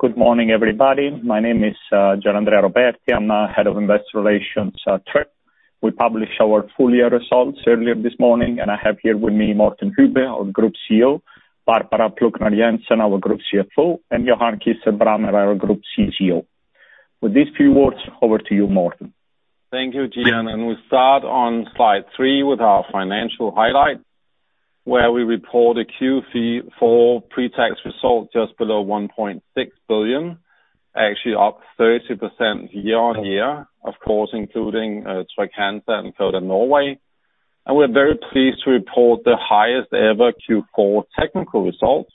Good morning, everybody. My name is Gianandrea Roberti. I'm Head of Investor Relations at Tryg. We published our full year results earlier this morning, and I have here with me Morten Hübbe, our Group CEO, Barbara Plucnar Jensen, our Group CFO, and Johan Kirstein Brammer, our Group CCO. With these few words, over to you, Morten. Thank you, Gianandrea. We start on slide three with our financial highlight, where we report a Q4 pre-tax result just below 1.6 billion, actually up 30% year-on-year, of course, including Trygg-Hansa and Codan Norway. We are very pleased to report the highest ever Q4 technical result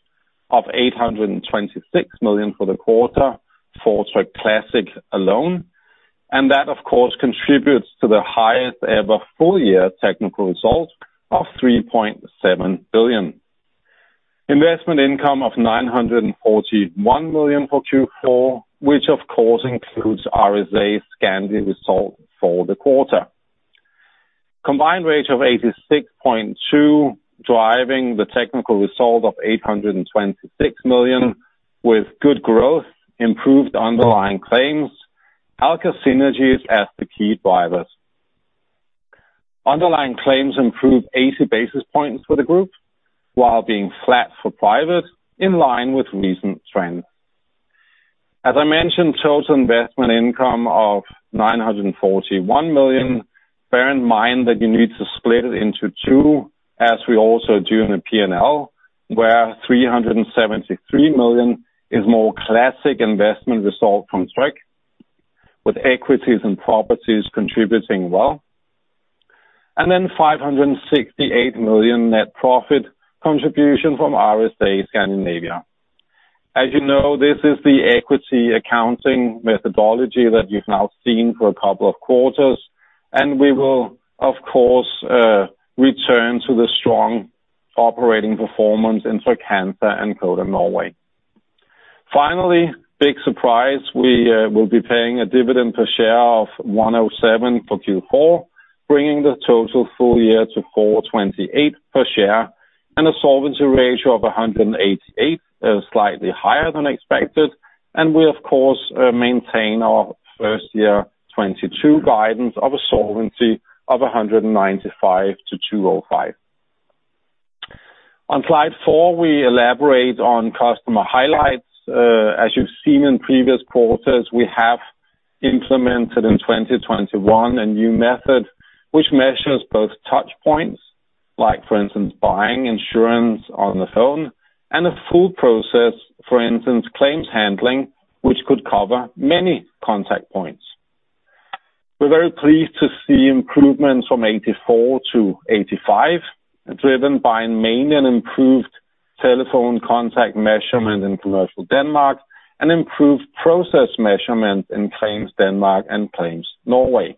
of 826 million for the quarter for Tryg Classic alone. That, of course, contributes to the highest ever full year technical result of 3.7 billion. Investment income of 941 million for Q4, which of course includes RSA's Scandinavia result for the quarter. Combined ratio of 86.2%, driving the technical result of 826 million with good growth, improved underlying claims. Alka synergies as the key drivers. Underlying claims improve 80 basis points for the group, while being flat for Private, in line with recent trends. As I mentioned, total investment income of 941 million. Bear in mind that you need to split it into two, as we also do in the P&L, where 373 million is more classic investment result from Tryg, with equities and properties contributing well. 568 million net profit contribution from RSA Scandinavia. As you know, this is the equity accounting methodology that you've now seen for a couple of quarters, and we will, of course, return to the strong operating performance in Trygg-Hansa and Codan Norway. Finally, big surprise, we will be paying a dividend per share of 1.07 for Q4, bringing the total full year to 4.28 per share and a solvency ratio of 188%, slightly higher than expected. We, of course, maintain our FY 2022 guidance of a solvency of 195%-205%. On slide four, we elaborate on customer highlights. As you've seen in previous quarters, we have implemented in 2021 a new method which measures both touch points, like for instance buying insurance on the phone, and a full process, for instance claims handling, which could cover many contact points. We're very pleased to see improvements from 84%-85%. It's driven by mainly an improved telephone contact measurement in Commercial Denmark and improved process measurement in claims Denmark and claims Norway.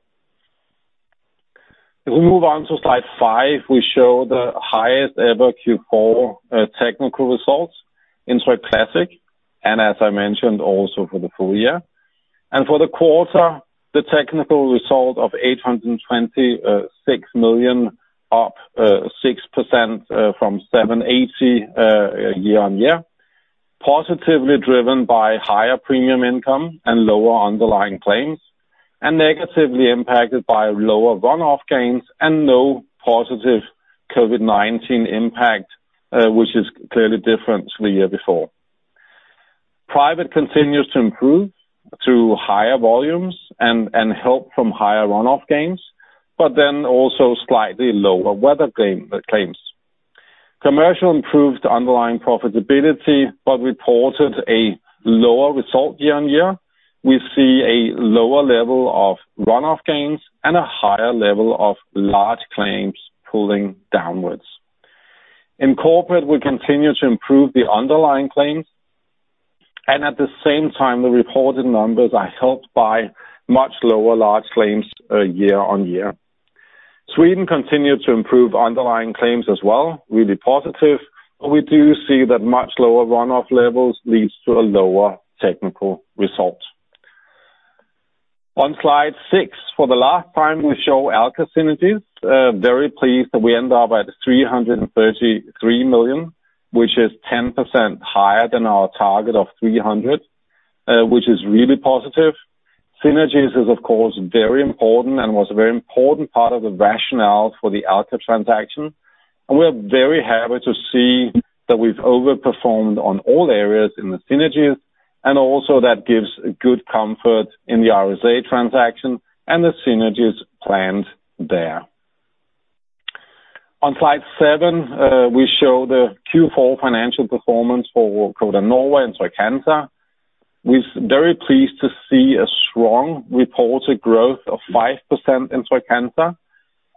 If we move on to slide five, we show the highest ever Q4 technical results in Tryg Classic, and as I mentioned, also for the full year. For the quarter, the technical result of 826 million, up 6% from 780 million year-on-year, positively driven by higher premium income and lower underlying claims, and negatively impacted by lower run-off gains and no positive COVID-19 impact, which is clearly different to the year before. Private continues to improve through higher volumes and help from higher run-off gains, but then also slightly lower weather claims. Commercial improved underlying profitability but reported a lower result year-on-year. We see a lower level of run-off gains and a higher level of large claims pulling downwards. In Corporate, we continue to improve the underlying claims. At the same time, the reported numbers are helped by much lower large claims year-on-year. Sweden continued to improve underlying claims as well, really positive, but we do see that much lower run-off levels leads to a lower technical result. On slide six, for the last time we show Alka synergies. Very pleased that we end up at 333 million, which is 10% higher than our target of 300 million, which is really positive. Synergies is of course very important and was a very important part of the rationale for the Alka transaction. We are very happy to see that we've overperformed on all areas in the synergies and also that gives good comfort in the RSA transaction and the synergies planned there. On slide seven, we show the Q4 financial performance for Codan Norway and Trygg-Hansa. We're very pleased to see a strong reported growth of 5% in Trygg-Hansa.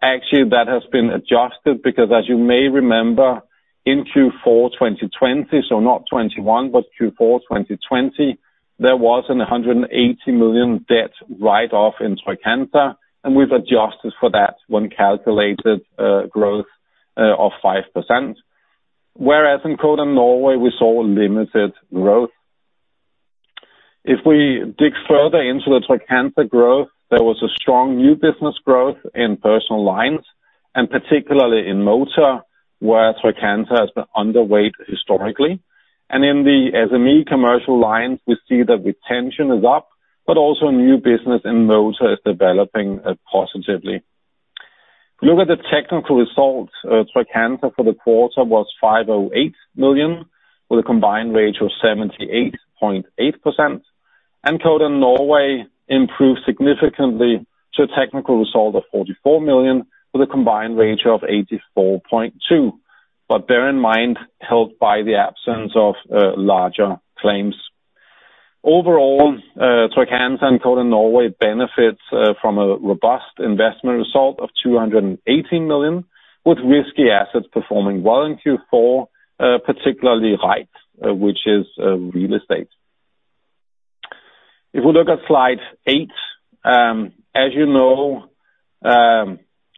Actually, that has been adjusted because as you may remember in Q4 2020, so not 2021, but Q4 2020, there was a 180 million debt write off in Trygg-Hansa, and we've adjusted for that when calculated growth of 5%. Whereas in Codan Norway, we saw limited growth. If we dig further into the Trygg-Hansa growth, there was a strong new business growth in personal lines, and particularly in motor, where Trygg-Hansa has been underweight historically. In the SME Commercial lines, we see the retention is up, but also new business in motor is developing positively. Look at the technical results, Trygg-Hansa for the quarter was 508 million, with a combined ratio of 78.8%. Codan Norway improved significantly to a technical result of 44 million, with a combined ratio of 84.2%. Bear in mind, helped by the absence of larger claims. Overall, Trygg-Hansa and Codan Norway benefits from a robust investment result of 280 million, with risky assets performing well in Q4, particularly equity, which is real estate. If we look at slide eight, as you know,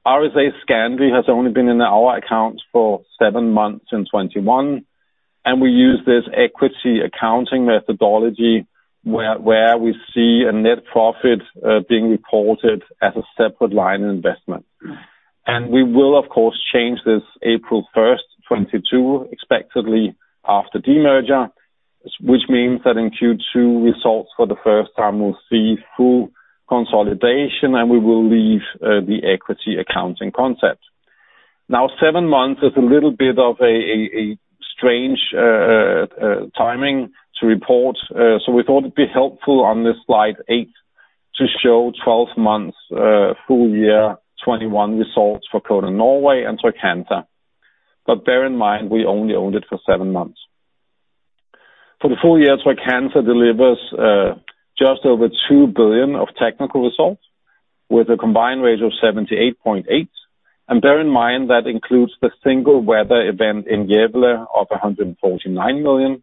RSA Scandinavia has only been in our accounts for seven months in 2021, and we use this equity accounting methodology where we see a net profit being reported as a separate line of investment. We will, of course, change this April 1st, 2022, expectedly after de-merger, which means that in Q2 results for the first time we'll see full consolidation, and we will leave the equity accounting concept. Now, seven months is a little bit of a strange timing to report, so we thought it'd be helpful on this slide eight to show 12 months full year 2021 results for Codan Norway and Trygg-Hansa. Bear in mind, we only owned it for seven months. For the full year, Trygg-Hansa delivers just over 2 billion of technical results with a combined ratio of 78.8%. Bear in mind, that includes the single weather event in Gävle of 149 million.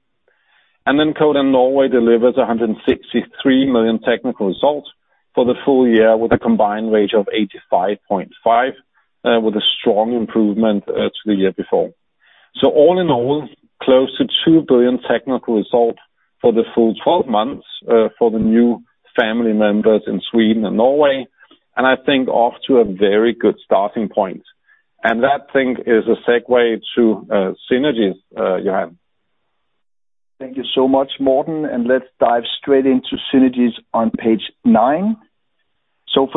Codan Norway delivers 163 million technical results for the full year with a combined ratio of 85.5%, with a strong improvement to the year before. All in all, close to 2 billion technical result for the full twelve months for the new family members in Sweden and Norway. I think off to a very good starting point. That thing is a segue to synergies, Johan. Thank you so much, Morten, and let's dive straight into synergies on page nine. For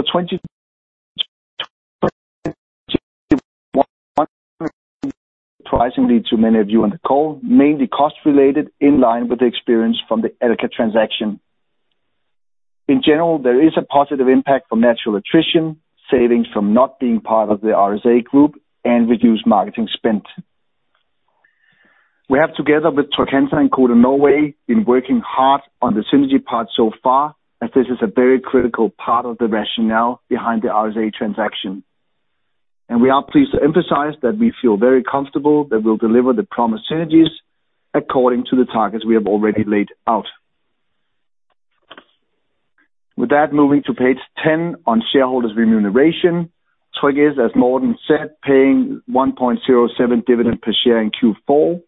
2021, we report synergies of DKK 63 million, and these are, unsurprisingly to many of you on the call, mainly cost related in line with the experience from the Alka transaction. In general, there is a positive impact from natural attrition, savings from not being part of the RSA group, and reduced marketing spend. We have together with Trygg-Hansa and Codan Norway been working hard on the synergy part so far, as this is a very critical part of the rationale behind the RSA transaction. We are pleased to emphasize that we feel very comfortable that we'll deliver the promised synergies according to the targets we have already laid out. With that, moving to page 10 on shareholders remuneration. Tryg is, as Morten said, paying 1.07 dividend per share in Q4,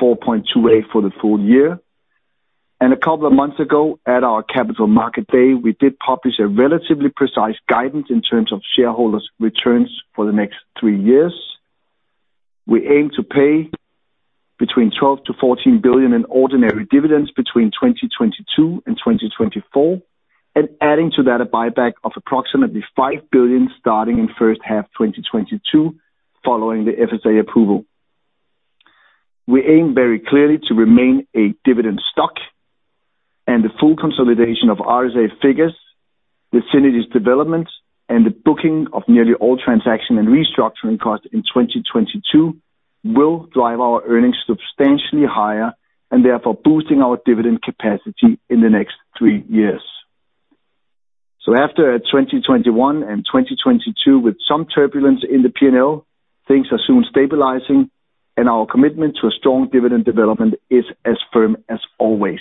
4.28 for the full year. A couple of months ago at our capital market day, we did publish a relatively precise guidance in terms of shareholders returns for the next three years. We aim to pay 12 billion-14 billion in ordinary dividends between 2022 and 2024, and adding to that a buyback of approximately 5 billion starting in first half 2022 following the FSA approval. We aim very clearly to remain a dividend stock, and the full consolidation of RSA figures, the synergies development, and the booking of nearly all transaction and restructuring costs in 2022 will drive our earnings substantially higher and therefore boosting our dividend capacity in the next three years. After 2021 and 2022 with some turbulence in the P&L, things are soon stabilizing, and our commitment to a strong dividend development is as firm as always.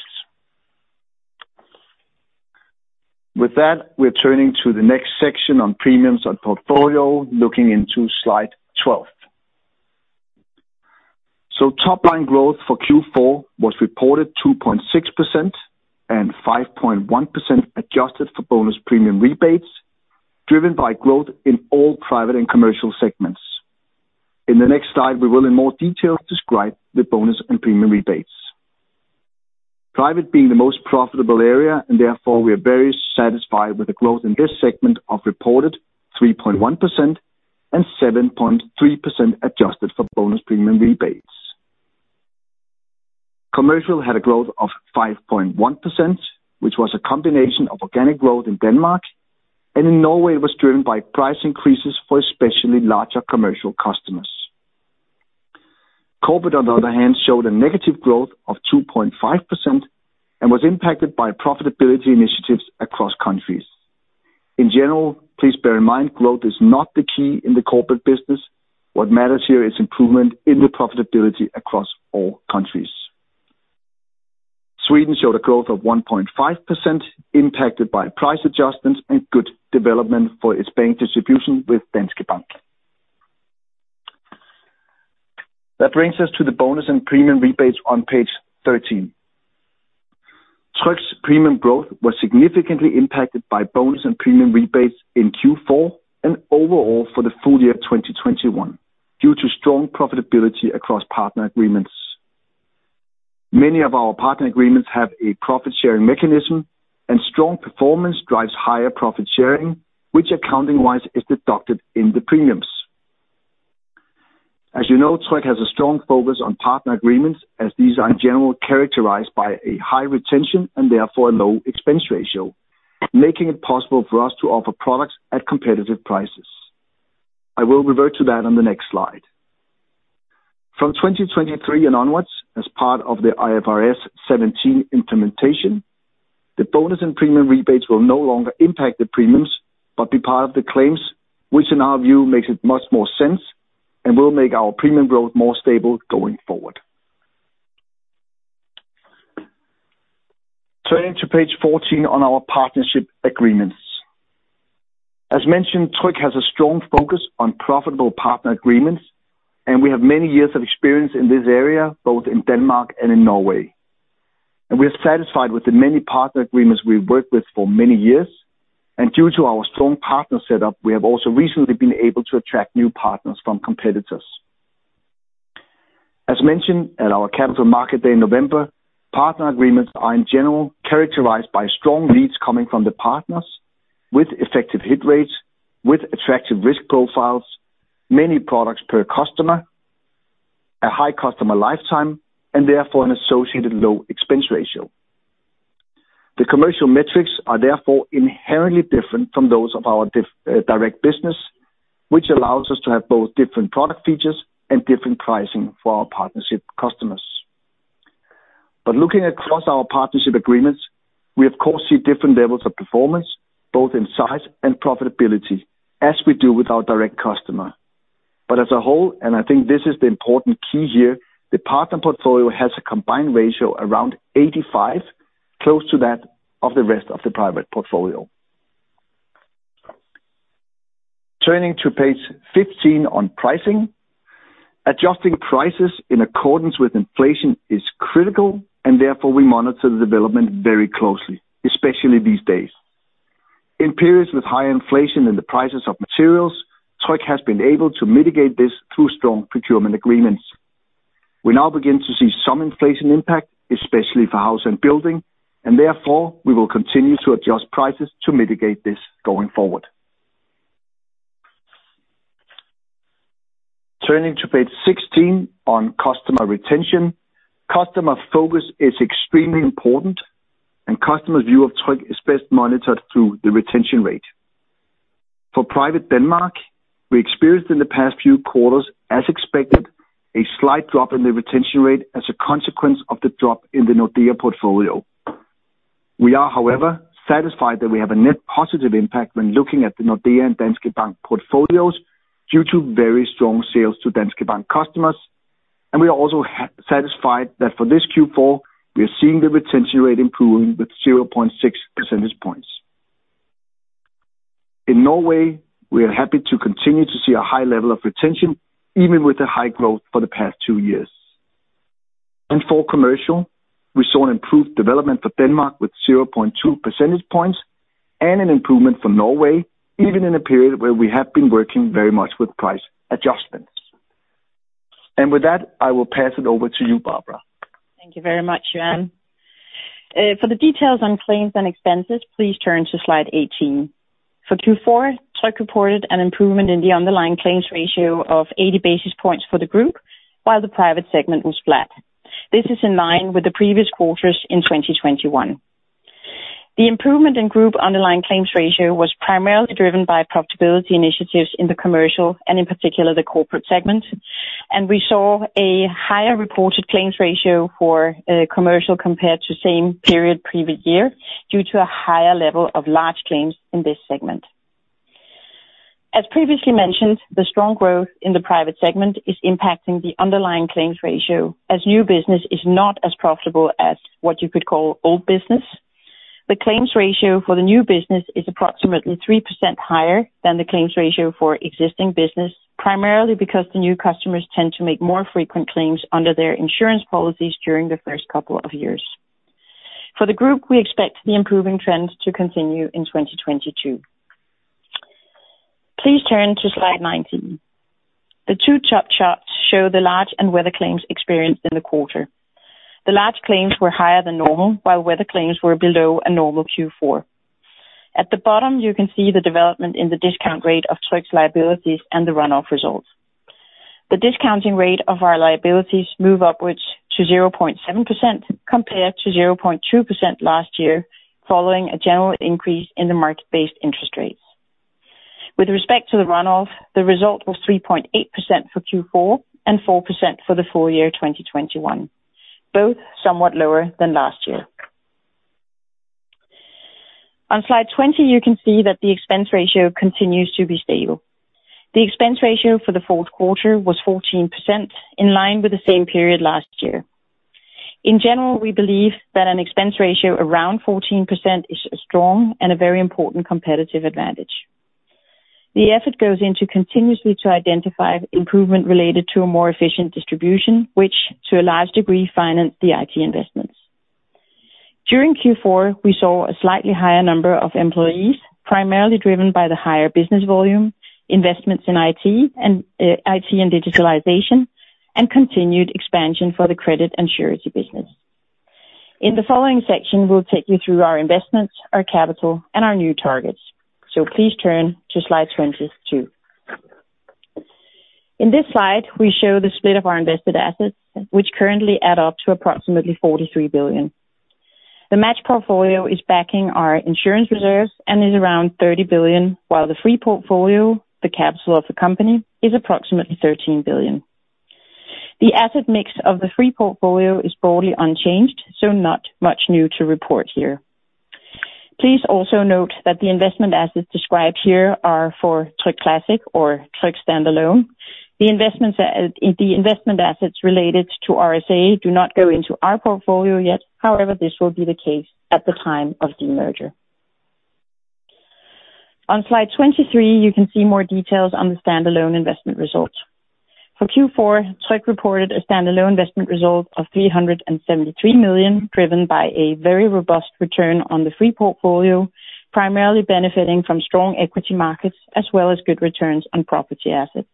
With that, we're turning to the next section on premiums and portfolio, looking into slide 12. Top line growth for Q4 was reported 2.6% and 5.1% adjusted for bonus premium rebates driven by growth in all Private and Commercial segments. In the next slide, we will in more detail describe the bonus and premium rebates. Private being the most profitable area, and therefore we are very satisfied with the growth in this segment of reported 3.1% and 7.3% adjusted for bonus premium rebates. Commercial had a growth of 5.1%, which was a combination of organic growth in Denmark, and in Norway was driven by price increases for especially larger Commercial customers. Corporate, on the other hand, showed a negative growth of 2.5% and was impacted by profitability initiatives across countries. In general, please bear in mind, growth is not the key in the Corporate business. What matters here is improvement in the profitability across all countries. Sweden showed a growth of 1.5% impacted by price adjustments and good development for its bank distribution with Danske Bank. That brings us to the bonus and premium rebates on page 13. Tryg's premium growth was significantly impacted by bonus and premium rebates in Q4 and overall for the full year of 2021 due to strong profitability across partner agreements. Many of our partner agreements have a profit-sharing mechanism, and strong performance drives higher profit sharing, which accounting-wise is deducted in the premiums. As you know, Tryg has a strong focus on partner agreements as these are in general characterized by a high retention and therefore a low expense ratio, making it possible for us to offer products at competitive prices. I will revert to that on the next slide. From 2023 and onwards, as part of the IFRS 17 implementation, the bonus and premium rebates will no longer impact the premiums, but be part of the claims, which in our view makes it much more sense and will make our premium growth more stable going forward. Turning to page 14 on our partnership agreements. As mentioned, Tryg has a strong focus on profitable partner agreements, and we have many years of experience in this area, both in Denmark and in Norway. We are satisfied with the many partner agreements we've worked with for many years. Due to our strong partner setup, we have also recently been able to attract new partners from competitors. As mentioned at our capital market day in November, partner agreements are in general characterized by strong leads coming from the partners with effective hit rates, with attractive risk profiles, many products per customer, a high customer lifetime, and therefore an associated low expense ratio. The Commercial metrics are therefore inherently different from those of our direct business, which allows us to have both different product features and different pricing for our partnership customers. Looking across our partnership agreements, we of course see different levels of performance, both in size and profitability, as we do with our direct customer. As a whole, and I think this is the important key here, the partner portfolio has a combined ratio around 85%, close to that of the rest of the Private portfolio. Turning to page 15 on pricing. Adjusting prices in accordance with inflation is critical, and therefore we monitor the development very closely, especially these days. In periods with high inflation in the prices of materials, Tryg has been able to mitigate this through strong procurement agreements. We now begin to see some inflation impact, especially for house and building, and therefore we will continue to adjust prices to mitigate this going forward. Turning to page 16 on customer retention. Customer focus is extremely important, and customer's view of Tryg is best monitored through the retention rate. For Private Denmark, we experienced in the past few quarters, as expected, a slight drop in the retention rate as a consequence of the drop in the Nordea portfolio. We are, however, satisfied that we have a net positive impact when looking at the Nordea and Danske Bank portfolios due to very strong sales to Danske Bank customers. We are also satisfied that for this Q4, we are seeing the retention rate improving with 0.6 percentage points. In Norway, we are happy to continue to see a high level of retention, even with the high growth for the past two years. For Commercial, we saw an improved development for Denmark with 0.2 percentage points and an improvement from Norway, even in a period where we have been working very much with price adjustments. With that, I will pass it over to you, Barbara. Thank you very much, Johan. For the details on claims and expenses, please turn to slide 18. For Q4, Tryg reported an improvement in the underlying claims ratio of 80 basis points for the group, while the Private segment was flat. This is in line with the previous quarters in 2021. The improvement in group underlying claims ratio was primarily driven by profitability initiatives in the Commercial and in particular the Corporate segment. We saw a higher reported claims ratio for Commercial compared to same period previous year due to a higher level of large claims in this segment. As previously mentioned, the strong growth in the Private segment is impacting the underlying claims ratio as new business is not as profitable as what you could call old business. The claims ratio for the new business is approximately 3% higher than the claims ratio for existing business, primarily because the new customers tend to make more frequent claims under their insurance policies during the first couple of years. For the group, we expect the improving trends to continue in 2022. Please turn to slide 19. The two top charts show the large and weather claims experienced in the quarter. The large claims were higher than normal, while weather claims were below a normal Q4. At the bottom, you can see the development in the discount rate of Tryg's liabilities and the run-off results. The discounting rate of our liabilities move upwards to 0.7% compared to 0.2% last year, following a general increase in the market-based interest rates. With respect to the run-off, the result was 3.8% for Q4 and 4% for the full year 2021, both somewhat lower than last year. On slide 20, you can see that the expense ratio continues to be stable. The expense ratio for the fourth quarter was 14%, in line with the same period last year. In general, we believe that an expense ratio around 14% is strong and a very important competitive advantage. The effort goes into continuously to identify improvement related to a more efficient distribution, which to a large degree finance the IT investments. During Q4, we saw a slightly higher number of employees, primarily driven by the higher business volume, investments in IT, and IT and digitalization, and continued expansion for the credit and surety business. In the following section, we'll take you through our investments, our capital, and our new targets. Please turn to slide 22. In this slide, we show the split of our invested assets, which currently add up to approximately 43 billion. The match portfolio is backing our insurance reserves and is around 30 billion, while the free portfolio, the capital of the company, is approximately 13 billion. The asset mix of the free portfolio is broadly unchanged, so not much new to report here. Please also note that the investment assets described here are for Tryg Classic or Tryg standalone. The investments, the investment assets related to RSA do not go into our portfolio yet. However, this will be the case at the time of demerger. On slide 23, you can see more details on the standalone investment results. For Q4, Tryg reported a standalone investment result of 373 million, driven by a very robust return on the free portfolio, primarily benefiting from strong equity markets as well as good returns on property assets.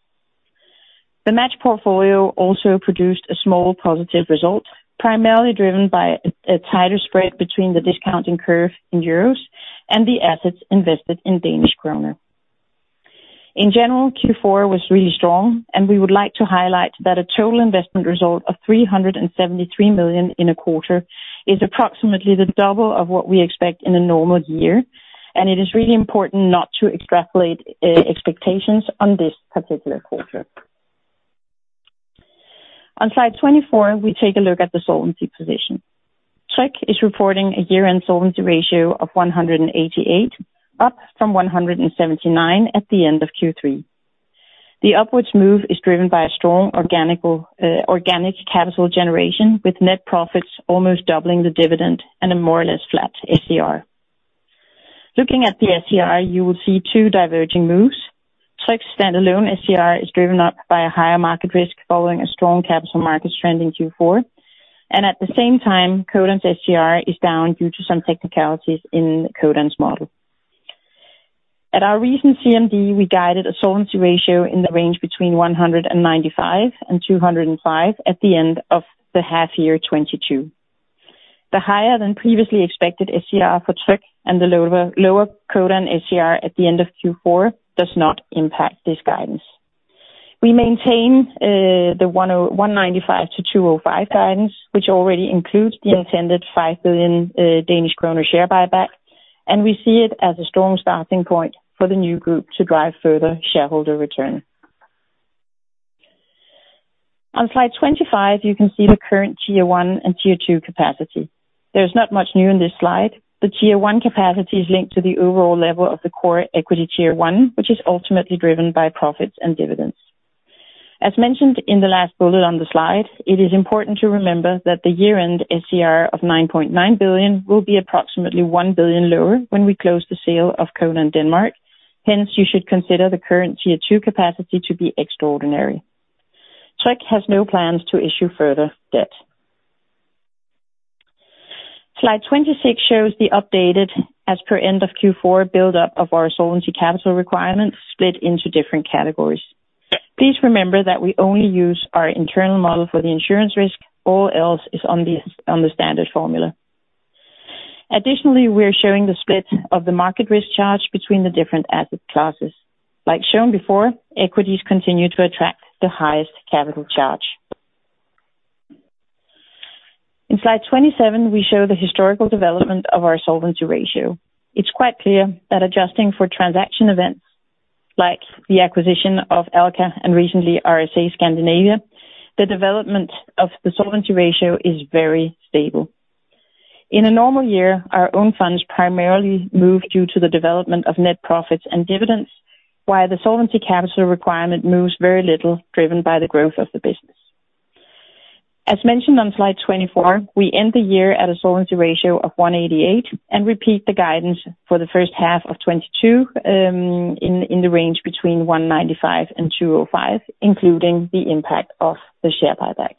The match portfolio also produced a small positive result, primarily driven by a tighter spread between the discounting curve in euros and the assets invested in Danish kroner. In general, Q4 was really strong, and we would like to highlight that a total investment result of 373 million in a quarter is approximately the double of what we expect in a normal year, and it is really important not to extrapolate expectations on this particular quarter. On slide 24, we take a look at the solvency position. Tryg is reporting a year-end solvency ratio of 188%, up from 179% at the end of Q3. The upwards move is driven by a strong organic capital generation, with net profits almost doubling the dividend and a more or less flat SCR. Looking at the SCR, you will see two diverging moves. Tryg standalone SCR is driven up by a higher market risk following a strong capital market trend in Q4. At the same time, Codan's SCR is down due to some technicalities in Codan's model. At our recent CMD, we guided a solvency ratio in the range between 195% and 205% at the end of the half year 2022. The higher than previously expected SCR for Tryg and the lower Codan SCR at the end of Q4 does not impact this guidance. We maintain the 195%-205% guidance, which already includes the intended 5 billion Danish kroner share buyback, and we see it as a strong starting point for the new group to drive further shareholder return. On slide 25, you can see the current Tier 1 and Tier 2 capacity. There's not much new in this slide. The Tier 1 capacity is linked to the overall level of the Common Equity Tier 1, which is ultimately driven by profits and dividends. As mentioned in the last bullet on the slide, it is important to remember that the year-end SCR of 9.9 billion will be approximately 1 billion lower when we close the sale of Codan Denmark. Hence, you should consider the current Tier 2 capacity to be extraordinary. Tryg has no plans to issue further debt. Slide 26 shows the updated as per end of Q4 buildup of our Solvency Capital Requirement split into different categories. Please remember that we only use our internal model for the insurance risk. All else is on the standard formula. Additionally, we are showing the split of the market risk charge between the different asset classes. Like shown before, equities continue to attract the highest capital charge. In Slide 27, we show the historical development of our solvency ratio. It's quite clear that adjusting for transaction events like the acquisition of Alka and recently RSA Scandinavia, the development of the solvency ratio is very stable. In a normal year, our own funds primarily move due to the development of net profits and dividends, while the Solvency Capital Requirement moves very little, driven by the growth of the business. As mentioned on slide 24, we end the year at a solvency ratio of 188% and repeat the guidance for the first half of 2022, in the range between 195% and 205%, including the impact of the share buybacks.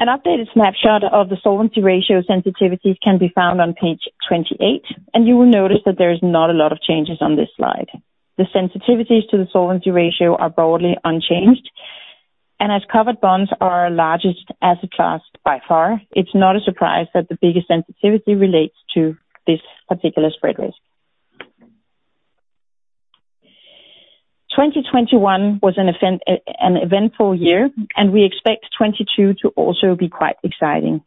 An updated snapshot of the solvency ratio sensitivities can be found on page 28, and you will notice that there is not a lot of changes on this slide. The sensitivities to the solvency ratio are broadly unchanged. As covered bonds are our largest asset class by far, it's not a surprise that the biggest sensitivity relates to this particular spread risk. 2021 was an eventful year, and we expect 2022 to also be quite exciting.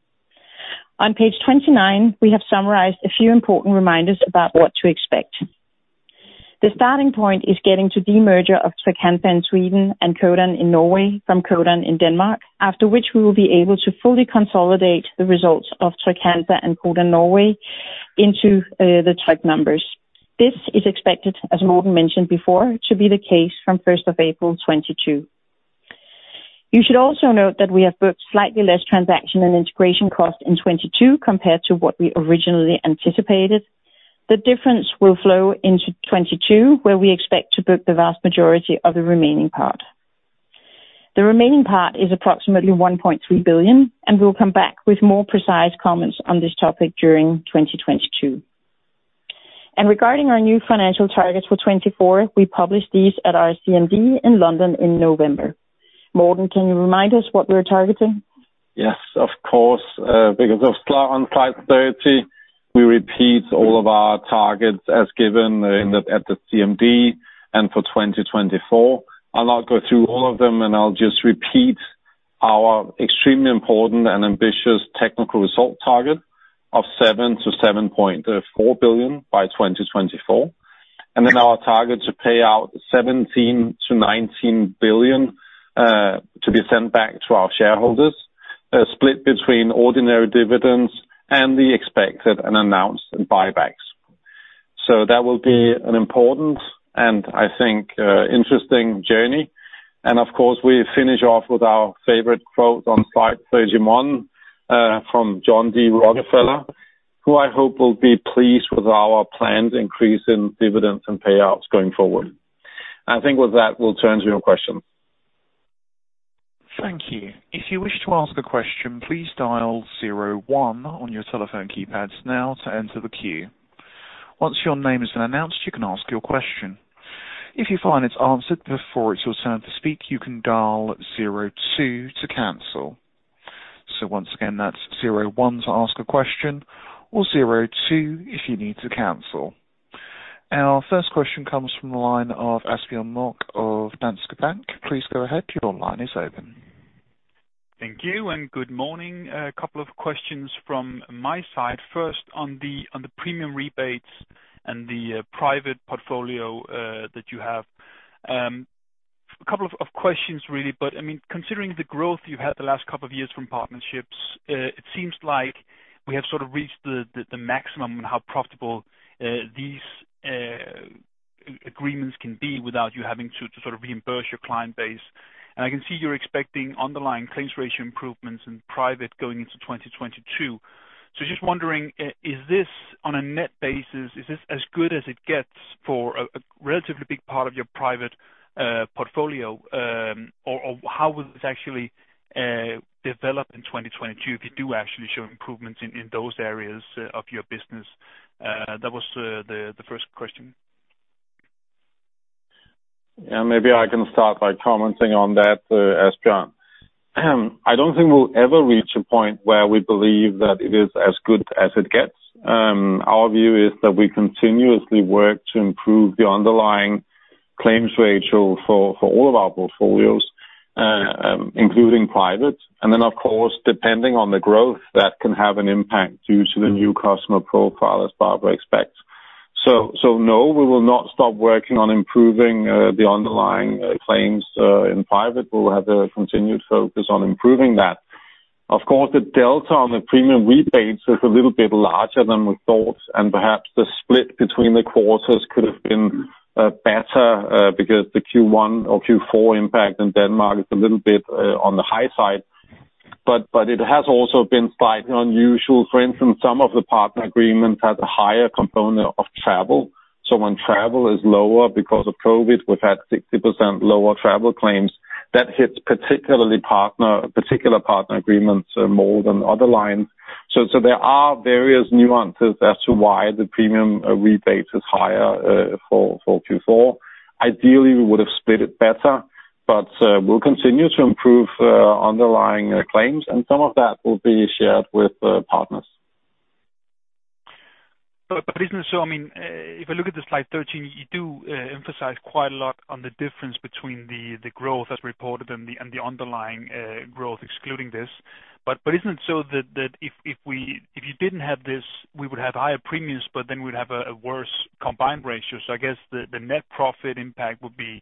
On page 29, we have summarized a few important reminders about what to expect. The starting point is getting to de-merger of Trygg-Hansa in Sweden and Codan Norway from Codan Denmark, after which we will be able to fully consolidate the results of Trygg-Hansa and Codan Norway into the Tryg numbers. This is expected, as Morten mentioned before, to be the case from April 1, 2022. You should also note that we have booked slightly less transaction and integration costs in 2022 compared to what we originally anticipated. The difference will flow into 2022, where we expect to book the vast majority of the remaining part. The remaining part is approximately 1.3 billion, and we'll come back with more precise comments on this topic during 2022. Regarding our new financial targets for 2024, we published these at our CMD in London in November. Morten, can you remind us what we were targeting? Yes, of course. Because, on slide 30, we repeat all of our targets as given at the CMD and for 2024. I'll not go through all of them, and I'll just repeat our extremely important and ambitious technical result target of 7 billion-7.4 billion by 2024. Then our target to pay out 17 billion-19 billion to be sent back to our shareholders, split between ordinary dividends and the expected and announced buybacks. That will be an important, and I think, interesting journey. Of course, we finish off with our favorite quote on slide 31 from John D. Rockefeller, who I hope will be pleased with our planned increase in dividends and payouts going forward. I think with that, we'll turn to your questions. Thank you. If you wish to ask a question, please dial zero one on your telephone keypads now to enter the queue. Once your name has been announced, you can ask your question. If you find it's answered before it's your turn to speak, you can dial zero two to cancel. Once again, that's zero one to ask a question or zero two if you need to cancel. Our first question comes from the line of Asbjørn Mørk of Danske Bank. Please go ahead. Your line is open. Thank you and good morning. A couple of questions from my side. First on the premium rebates and the Private portfolio that you have. A couple of questions, really, but I mean, considering the growth you've had the last couple of years from partnerships, it seems like we have sort of reached the maximum in how profitable these agreements can be without you having to sort of reimburse your client base. I can see you're expecting underlying claims ratio improvements in Private going into 2022. Just wondering, is this on a net basis, is this as good as it gets for a relatively big part of your Private portfolio? Or how will this actually develop in 2022 if you do actually show improvements in those areas of your business? That was the first question. Yeah, maybe I can start by commenting on that, Asbjørn. I don't think we'll ever reach a point where we believe that it is as good as it gets. Our view is that we continuously work to improve the underlying claims ratio for all of our portfolios, including Private. Of course, depending on the growth that can have an impact due to the new customer profile, as Barbara expects. No, we will not stop working on improving the underlying claims in Private. We'll have a continued focus on improving that. Of course, the delta on the premium rebates is a little bit larger than we thought, and perhaps the split between the quarters could have been better, because the Q1 or Q4 impact in Denmark is a little bit on the high side. It has also been slightly unusual. For instance, some of the partner agreements have a higher component of travel. When travel is lower because of COVID-19, we've had 60% lower travel claims. That hits particular partner agreements more than other lines. There are various nuances as to why the premium rebates is higher for Q4. Ideally, we would have split it better, but we'll continue to improve underlying claims, and some of that will be shared with the partners. Isn't it so, I mean, if I look at slide 13, you do emphasize quite a lot on the difference between the growth as reported and the underlying growth excluding this. Isn't it so that if you didn't have this, we would have higher premiums, but then we'd have a worse combined ratio. I guess the net profit impact would be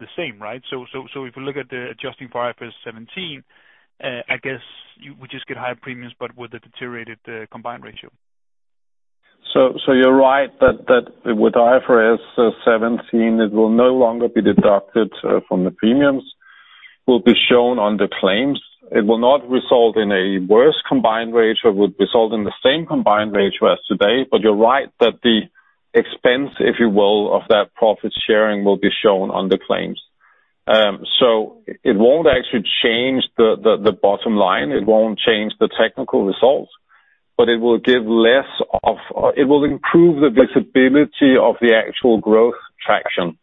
the same, right? If we look at the adjustment for IFRS 17, I guess you would just get higher premiums but with a deteriorated combined ratio. You're right that with IFRS 17, it will no longer be deducted from the premiums. It will be shown on the claims. It will not result in a worse combined ratio. It would result in the same combined ratio as today. You're right that the expense, if you will, of that profit sharing will be shown on the claims. It won't actually change the bottom line. It won't change the technical results, but it will improve the visibility of the actual growth traction.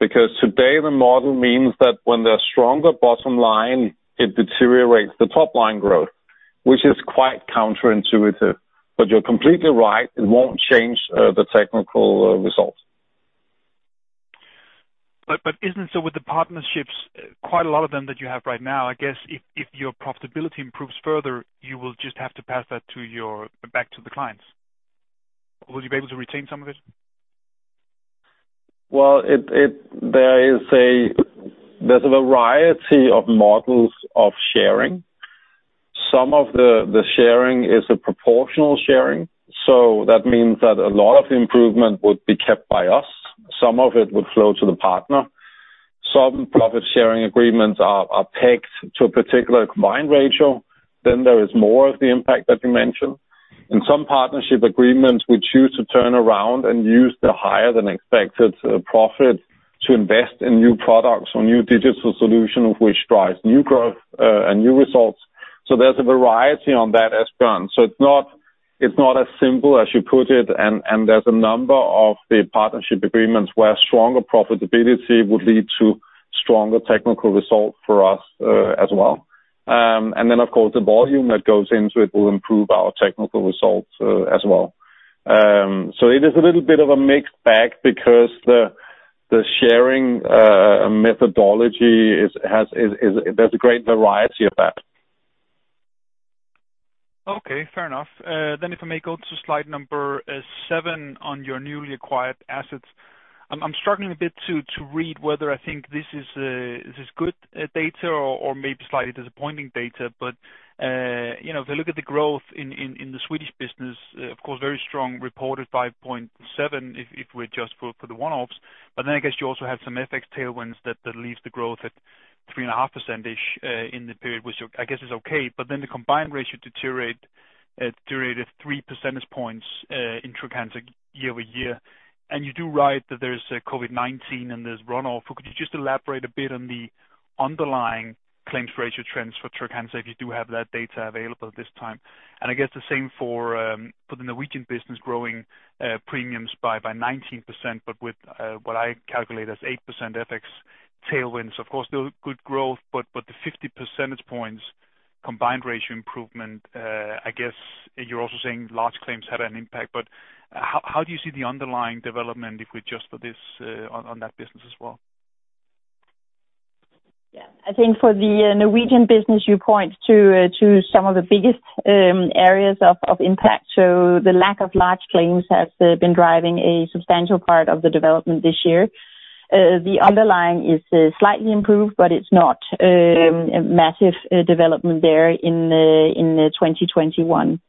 Today the model means that when there's stronger bottom line, it deteriorates the top-line growth, which is quite counterintuitive. You're completely right, it won't change the technical results. Isn't it so with the partnerships, quite a lot of them that you have right now, I guess if your profitability improves further, you will just have to pass that back to the clients? Will you be able to retain some of it? Well, there is a variety of models of sharing. Some of the sharing is a proportional sharing, so that means that a lot of improvement would be kept by us. Some of it would flow to the partner. Some profit-sharing agreements are pegged to a particular combined ratio, then there is more of the impact that you mentioned. In some partnership agreements, we choose to turn around and use the higher-than-expected profit to invest in new products or new digital solution of which drives new growth and new results. There's a variety on that as done. It's not as simple as you put it and there's a number of the partnership agreements where stronger profitability would lead to stronger technical result for us as well. Of course, the volume that goes into it will improve our technical results as well. It is a little bit of a mixed bag because the sharing methodology is. There's a great variety of that. Okay, fair enough. If I may go to slide number seven on your newly acquired assets. I'm struggling a bit to read whether I think this is good data or maybe slightly disappointing data. You know, if I look at the growth in the Swedish business, of course, very strong reported 5.7% if we adjust for the one-offs. I guess you also have some FX tailwinds that leaves the growth at 3.5%-ish in the period, which I guess is okay. The combined ratio deteriorated 3 percentage points in Trygg-Hansa year-over-year. You do write that there's a COVID-19 and there's run-off. Could you just elaborate a bit on the underlying claims ratio trends for Trygg-Hansa if you do have that data available at this time? I guess the same for the Norwegian business growing premiums by 19%, but with what I calculate as 8% FX tailwinds. Of course, still good growth, but the 50 percentage points combined ratio improvement, I guess you're also saying large claims had an impact. But how do you see the underlying development if we adjust for this on that business as well? Yeah. I think for the Norwegian business, you point to some of the biggest areas of impact. The lack of large claims has been driving a substantial part of the development this year. The underlying is slightly improved, but it's not a massive development there in 2021.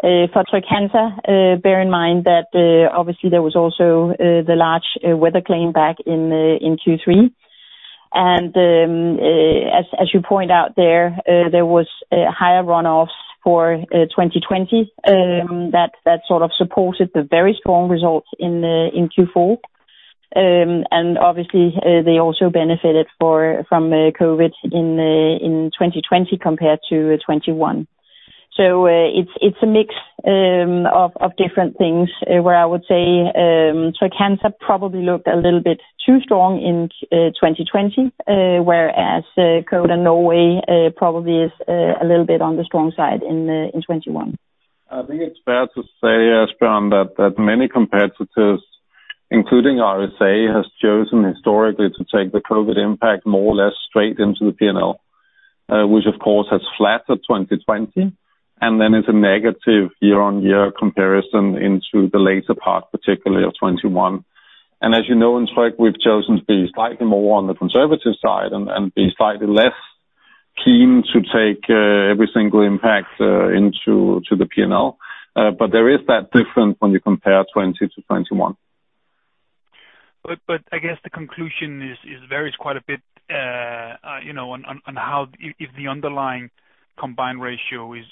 For Trygg-Hansa, bear in mind that obviously there was also the large weather claim back in Q3. As you point out there was higher run-offs for 2020 that sort of supported the very strong results in Q4. Obviously, they also benefited from COVID-19 in 2020 compared to 2021. It's a mix of different things where I would say Trygg-Hansa probably looked a little bit too strong in 2020, whereas Codan Norway probably is a little bit on the strong side in 2021. I think it's fair to say, Asbjørn, that many competitors, including RSA, has chosen historically to take the COVID-19 impact more or less straight into the P&L, which of course has flattered 2020, and then it's a negative year-on-year comparison into the later part, particularly of 2021. As you know, in Tryg, we've chosen to be slightly more on the conservative side and be slightly less keen to take every single impact into the P&L. There is that difference when you compare 2020 to 2021. I guess the conclusion is it varies quite a bit, you know, on how if the underlying combined ratio is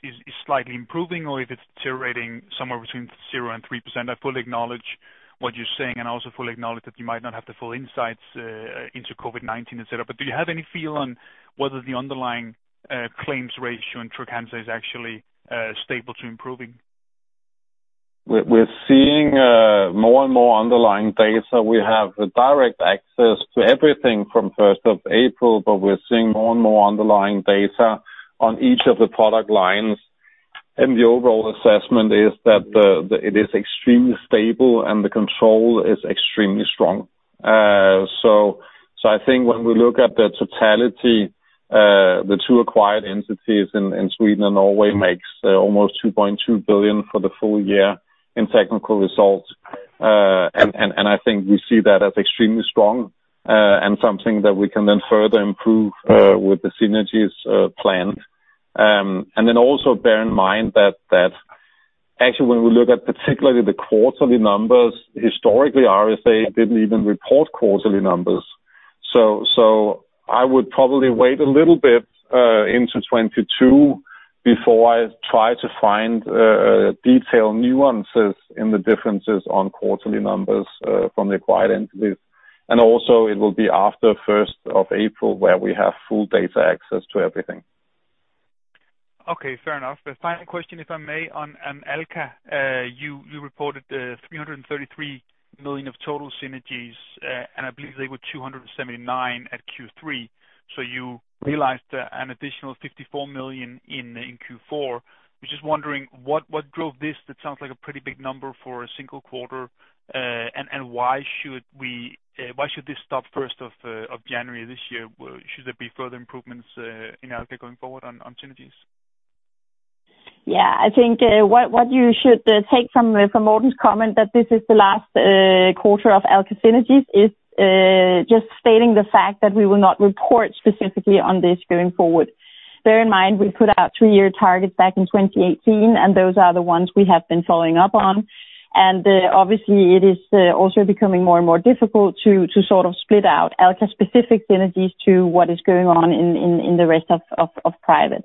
slightly improving or if it's deteriorating somewhere between 0% and 3%. I fully acknowledge what you're saying, and I also fully acknowledge that you might not have the full insights into COVID-19 et cetera. Do you have any feel on whether the underlying claims ratio in Trygg-Hansa is actually stable to improving? We're seeing more and more underlying data. We have direct access to everything from April 1st, but we're seeing more and more underlying data on each of the product lines. The overall assessment is that it is extremely stable and the control is extremely strong. I think when we look at the totality, the two acquired entities in Sweden and Norway make almost 2.2 billion for the full year in technical results. I think we see that as extremely strong, and something that we can then further improve with the synergies planned. Then also bear in mind that actually when we look at particularly the quarterly numbers, historically, RSA didn't even report quarterly numbers. I would probably wait a little bit into 2022 before I try to find detailed nuances in the differences on quarterly numbers from the acquired entities. Also, it will be after April 1st where we have full data access to everything. Okay, fair enough. The final question, if I may, on Alka. You reported 333 million of total synergies, and I believe they were 279 million at Q3. So you realized an additional 54 million in Q4. Was just wondering what drove this? That sounds like a pretty big number for a single quarter. And why should this stop first of January this year? Should there be further improvements in Alka going forward on synergies? Yeah, I think what you should take from Morten's comment that this is the last quarter of Alka synergies is just stating the fact that we will not report specifically on this going forward. Bear in mind, we put out two-year targets back in 2018, and those are the ones we have been following up on. Obviously, it is also becoming more and more difficult to sort of split out Alka specific synergies to what is going on in the rest of Private.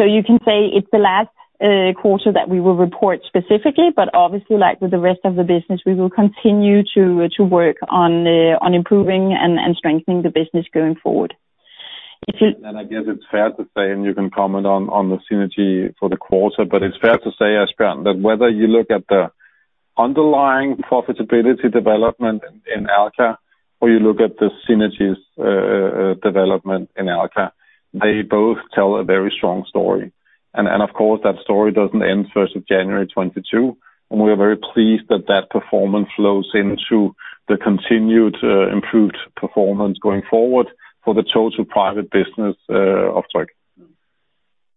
You can say it's the last quarter that we will report specifically. Obviously, like with the rest of the business, we will continue to work on improving and strengthening the business going forward. If you- I guess it's fair to say, and you can comment on the synergy for the quarter, but it's fair to say, Asbjørn, that whether you look at the underlying profitability development in Alka or you look at the synergies development in Alka, they both tell a very strong story. Of course, that story doesn't end January 1, 2022, and we are very pleased that that performance flows into the continued improved performance going forward for the total Private business of Tryg.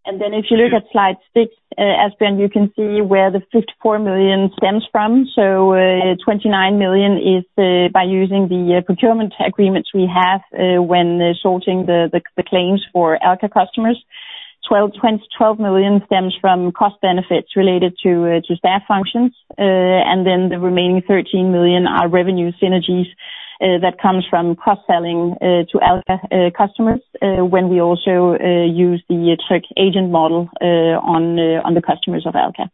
If you look at slide six, Asbjørn, you can see where the 54 million stems from. 29 million is by using the procurement agreements we have when sorting the claims for Alka customers. 12 million stems from cost benefits related to staff functions. The remaining 13 million are revenue synergies that comes from cross-selling to Alka customers when we also use the Tryg agent model on the customers of Alka.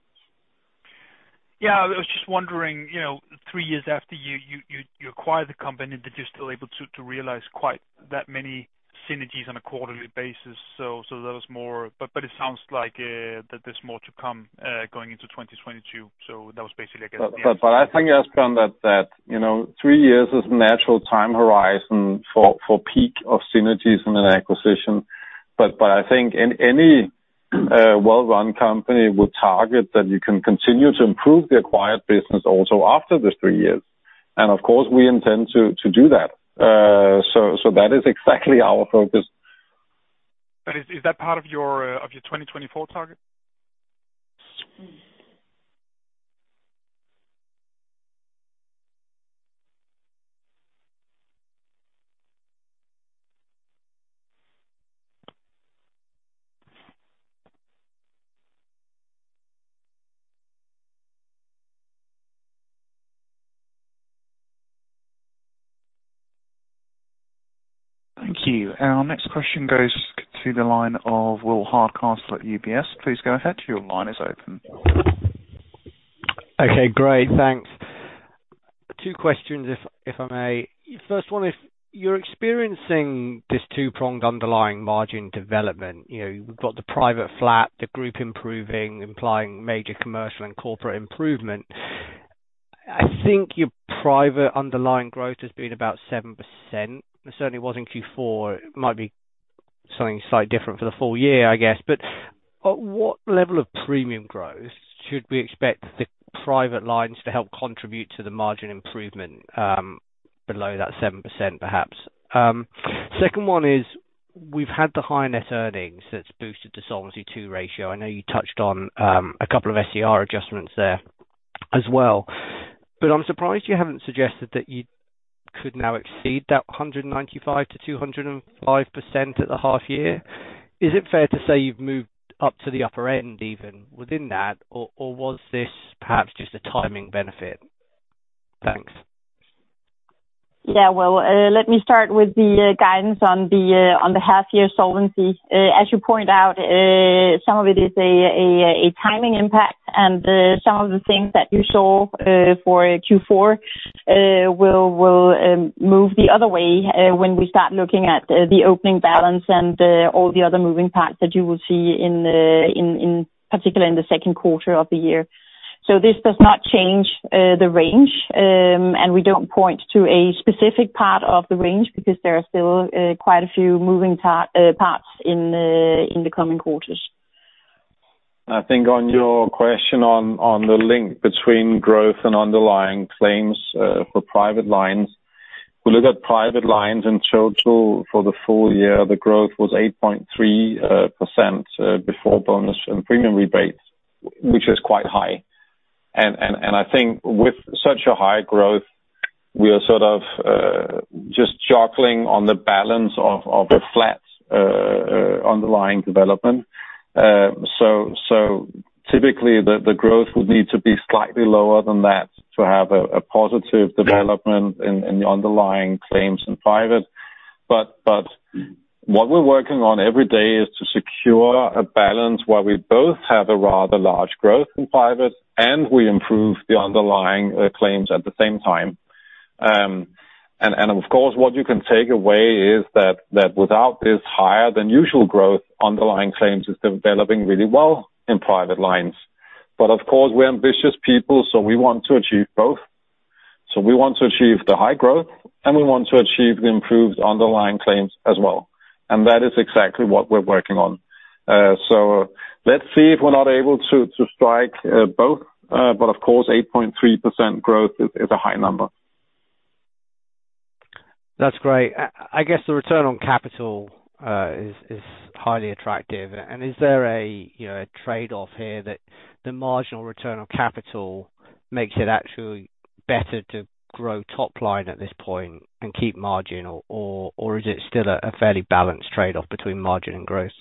Yeah. I was just wondering, you know, three years after you acquired the company, that you're still able to realize quite that many synergies on a quarterly basis. That was more. But it sounds like that there's more to come going into 2022. That was basically, I guess. I think, Asbjørn, that you know, three years is natural time horizon for peak of synergies in an acquisition. I think any well-run company will target that you can continue to improve the acquired business also after the three years. Of course we intend to do that. That is exactly our focus. Is that part of your 2024 target? Mm. Thank you. Our next question goes to the line of Will Hardcastle at UBS. Please go ahead. Your line is open. Okay, great. Thanks. Two questions if I may. First one, if you're experiencing this two-pronged underlying margin development, you know, you've got the Private flat, the group improving, implying major Commercial and Corporate improvement. I think your Private underlying growth has been about 7%. It certainly was in Q4. It might be something slightly different for the full year, I guess. But at what level of premium growth should we expect the Private lines to help contribute to the margin improvement, below that 7%, perhaps? Second one is we've had the higher net earnings that's boosted the Solvency II ratio. I know you touched on a couple of SCR adjustments there as well. But I'm surprised you haven't suggested that you could now exceed that 195%-205% at the half year. Is it fair to say you've moved up to the upper end even within that? Or was this perhaps just a timing benefit? Thanks. Yeah. Well, let me start with the guidance on the half year solvency. As you point out, some of it is a timing impact, and some of the things that you saw for Q4 will move the other way when we start looking at the opening balance and all the other moving parts that you will see in particular in the second quarter of the year. This does not change the range. And we don't point to a specific part of the range because there are still quite a few moving parts in the coming quarters. I think on your question on the link between growth and underlying claims, for Private lines, we look at Private lines in total for the full year, the growth was 8.3% before bonus and premium rebates, which is quite high. I think with such a high growth, we are sort of just juggling on the balance of a flat underlying development. Typically, the growth would need to be slightly lower than that to have a positive development. Yeah. In the underlying claims in Private. What we're working on every day is to secure a balance where we both have a rather large growth in Private and we improve the underlying claims at the same time. And of course, what you can take away is that without this higher than usual growth, underlying claims is developing really well in Private lines. We're ambitious people, so we want to achieve both. We want to achieve the high growth, and we want to achieve the improved underlying claims as well. That is exactly what we're working on. Let's see if we're not able to strike both. 8.3% growth is a high number. That's great. I guess the return on capital is highly attractive. Is there a, you know, a trade-off here that the marginal return on capital makes it actually better to grow top line at this point and keep margin or is it still a fairly balanced trade-off between margin and growth?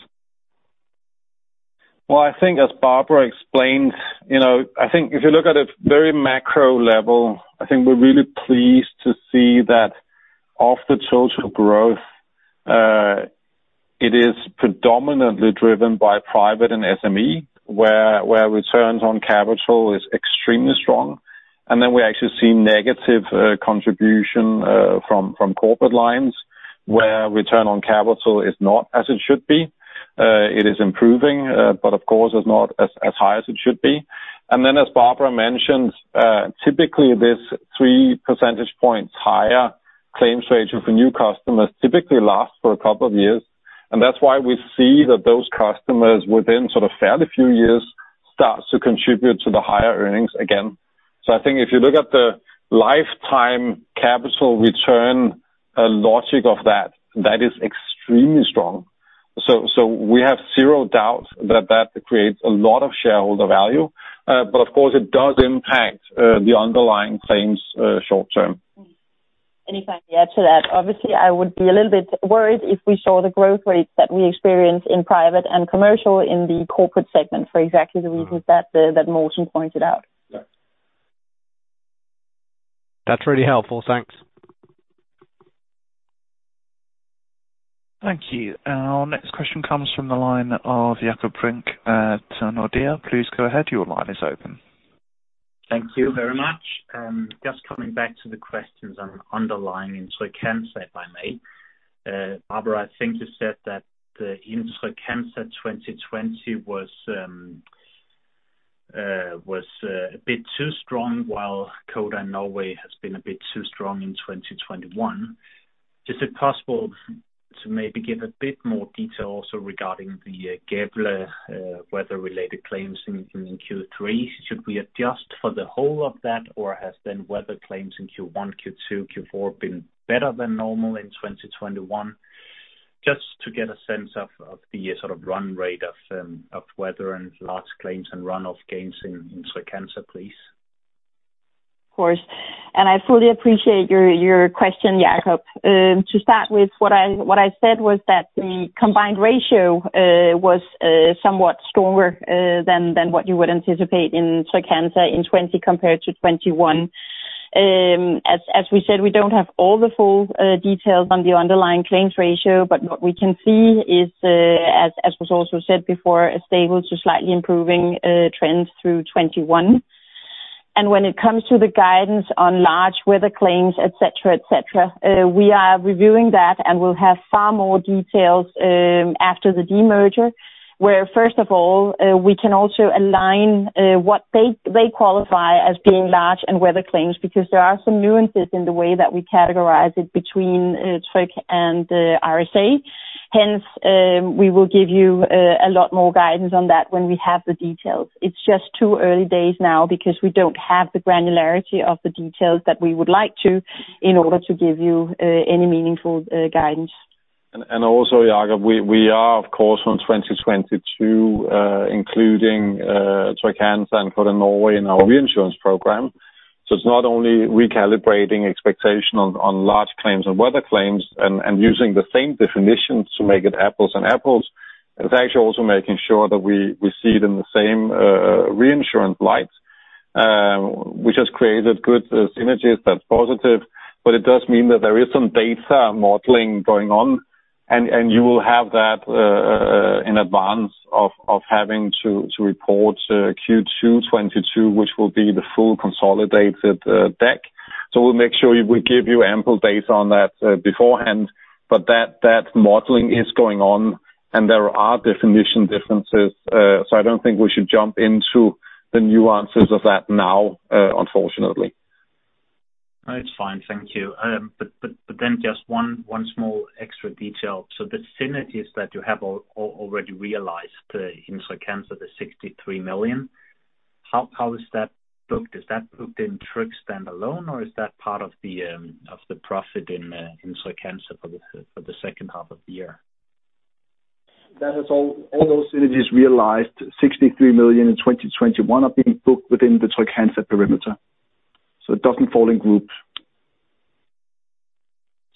Well, I think as Barbara explained, you know, I think if you look at a very macro level, I think we're really pleased to see that of the total growth, it is predominantly driven by Private and SME, where returns on capital is extremely strong. We actually see negative contribution from Corporate lines where return on capital is not as it should be. It is improving, but of course, is not as high as it should be. As Barbara mentioned, typically this 3 percentage points higher claims ratio for new customers typically lasts for a couple of years. That's why we see that those customers within sort of fairly few years starts to contribute to the higher earnings again. I think if you look at the lifetime capital return logic of that is extremely strong. We have zero doubt that that creates a lot of shareholder value. Of course it does impact the underlying claims short term. Anything to add to that? Obviously, I would be a little bit worried if we saw the growth rates that we experience in Private and Commercial in the Corporate segment for exactly the reasons that Morten pointed out. Yeah. That's really helpful. Thanks. Thank you. Our next question comes from the line of Jakob Brink at Nordea. Please go ahead. Your line is open. Thank you very much. Just coming back to the questions on underlying Trygg-Hansa, if I may. Barbara, I think you said that the Trygg-Hansa 2020 was a bit too strong, while Codan Norway has been a bit too strong in 2021. Is it possible to maybe give a bit more detail also regarding the Gävle weather-related claims in Q3? Should we adjust for the whole of that, or has the weather claims in Q1, Q2, Q4 been better than normal in 2021? Just to get a sense of the sort of run rate of weather and large claims and run-off gains in Trygg-Hansa, please. Of course. I fully appreciate your question, Jakob. To start with, what I said was that the combined ratio was somewhat stronger than what you would anticipate in Trygg-Hansa in 2020 compared to 2021. As we said, we don't have all the full details on the underlying claims ratio, but what we can see is, as was also said before, a stable to slightly improving trends through 2021. When it comes to the guidance on large weather claims, et cetera, et cetera, we are reviewing that, and we'll have far more details after the demerger, where first of all, we can also align what they qualify as being large and weather claims. Because there are some nuances in the way that we categorize it between Tryg and the RSA. Hence, we will give you a lot more guidance on that when we have the details. It's just too early days now because we don't have the granularity of the details that we would like to in order to give you any meaningful guidance. Also, Jakob, we are of course from 2022 including Trygg-Hansa and Codan Norway in our reinsurance program. It's not only recalibrating expectation on large claims and weather claims and using the same definitions to make it apples to apples. It's actually also making sure that we see it in the same reinsurance light. Which has created good synergies. That's positive, but it does mean that there is some data modeling going on and you will have that in advance of having to report Q2 2022, which will be the full consolidated deck. We'll make sure we give you ample data on that beforehand. That modeling is going on and there are definition differences. I don't think we should jump into the nuances of that now, unfortunately. No, it's fine. Thank you. Just one small extra detail. The synergies that you have already realized in Trygg-Hansa, 63 million, how is that booked? Is that booked in Tryg standalone, or is that part of the profit in Trygg-Hansa for the second half of the year? That is, all those synergies realized 63 million in 2021 are being booked within the Trygg-Hansa perimeter, so it doesn't fall in groups.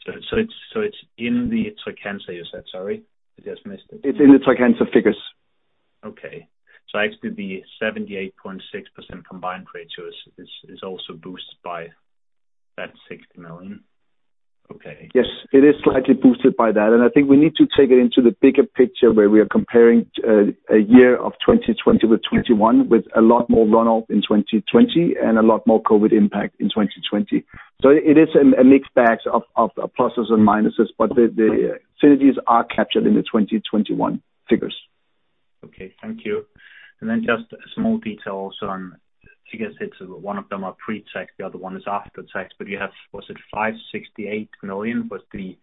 It's in the Trygg-Hansa you said? Sorry, I just missed it. It's in the Trygg-Hansa figures. Actually, the 78.6% combined ratio is also boosted by that 60 million. Yes, it is slightly boosted by that. I think we need to take it into the bigger picture where we are comparing a year of 2020 with 2021 with a lot more run-off in 2020 and a lot more COVID-19 impact in 2020. It is a mixed bag of pluses and minuses, but the synergies are captured in the 2021 figures. Okay. Thank you. Just a small detail also on figure six. One of them are pre-tax, the other one is after tax. But you have, was it 568 million was the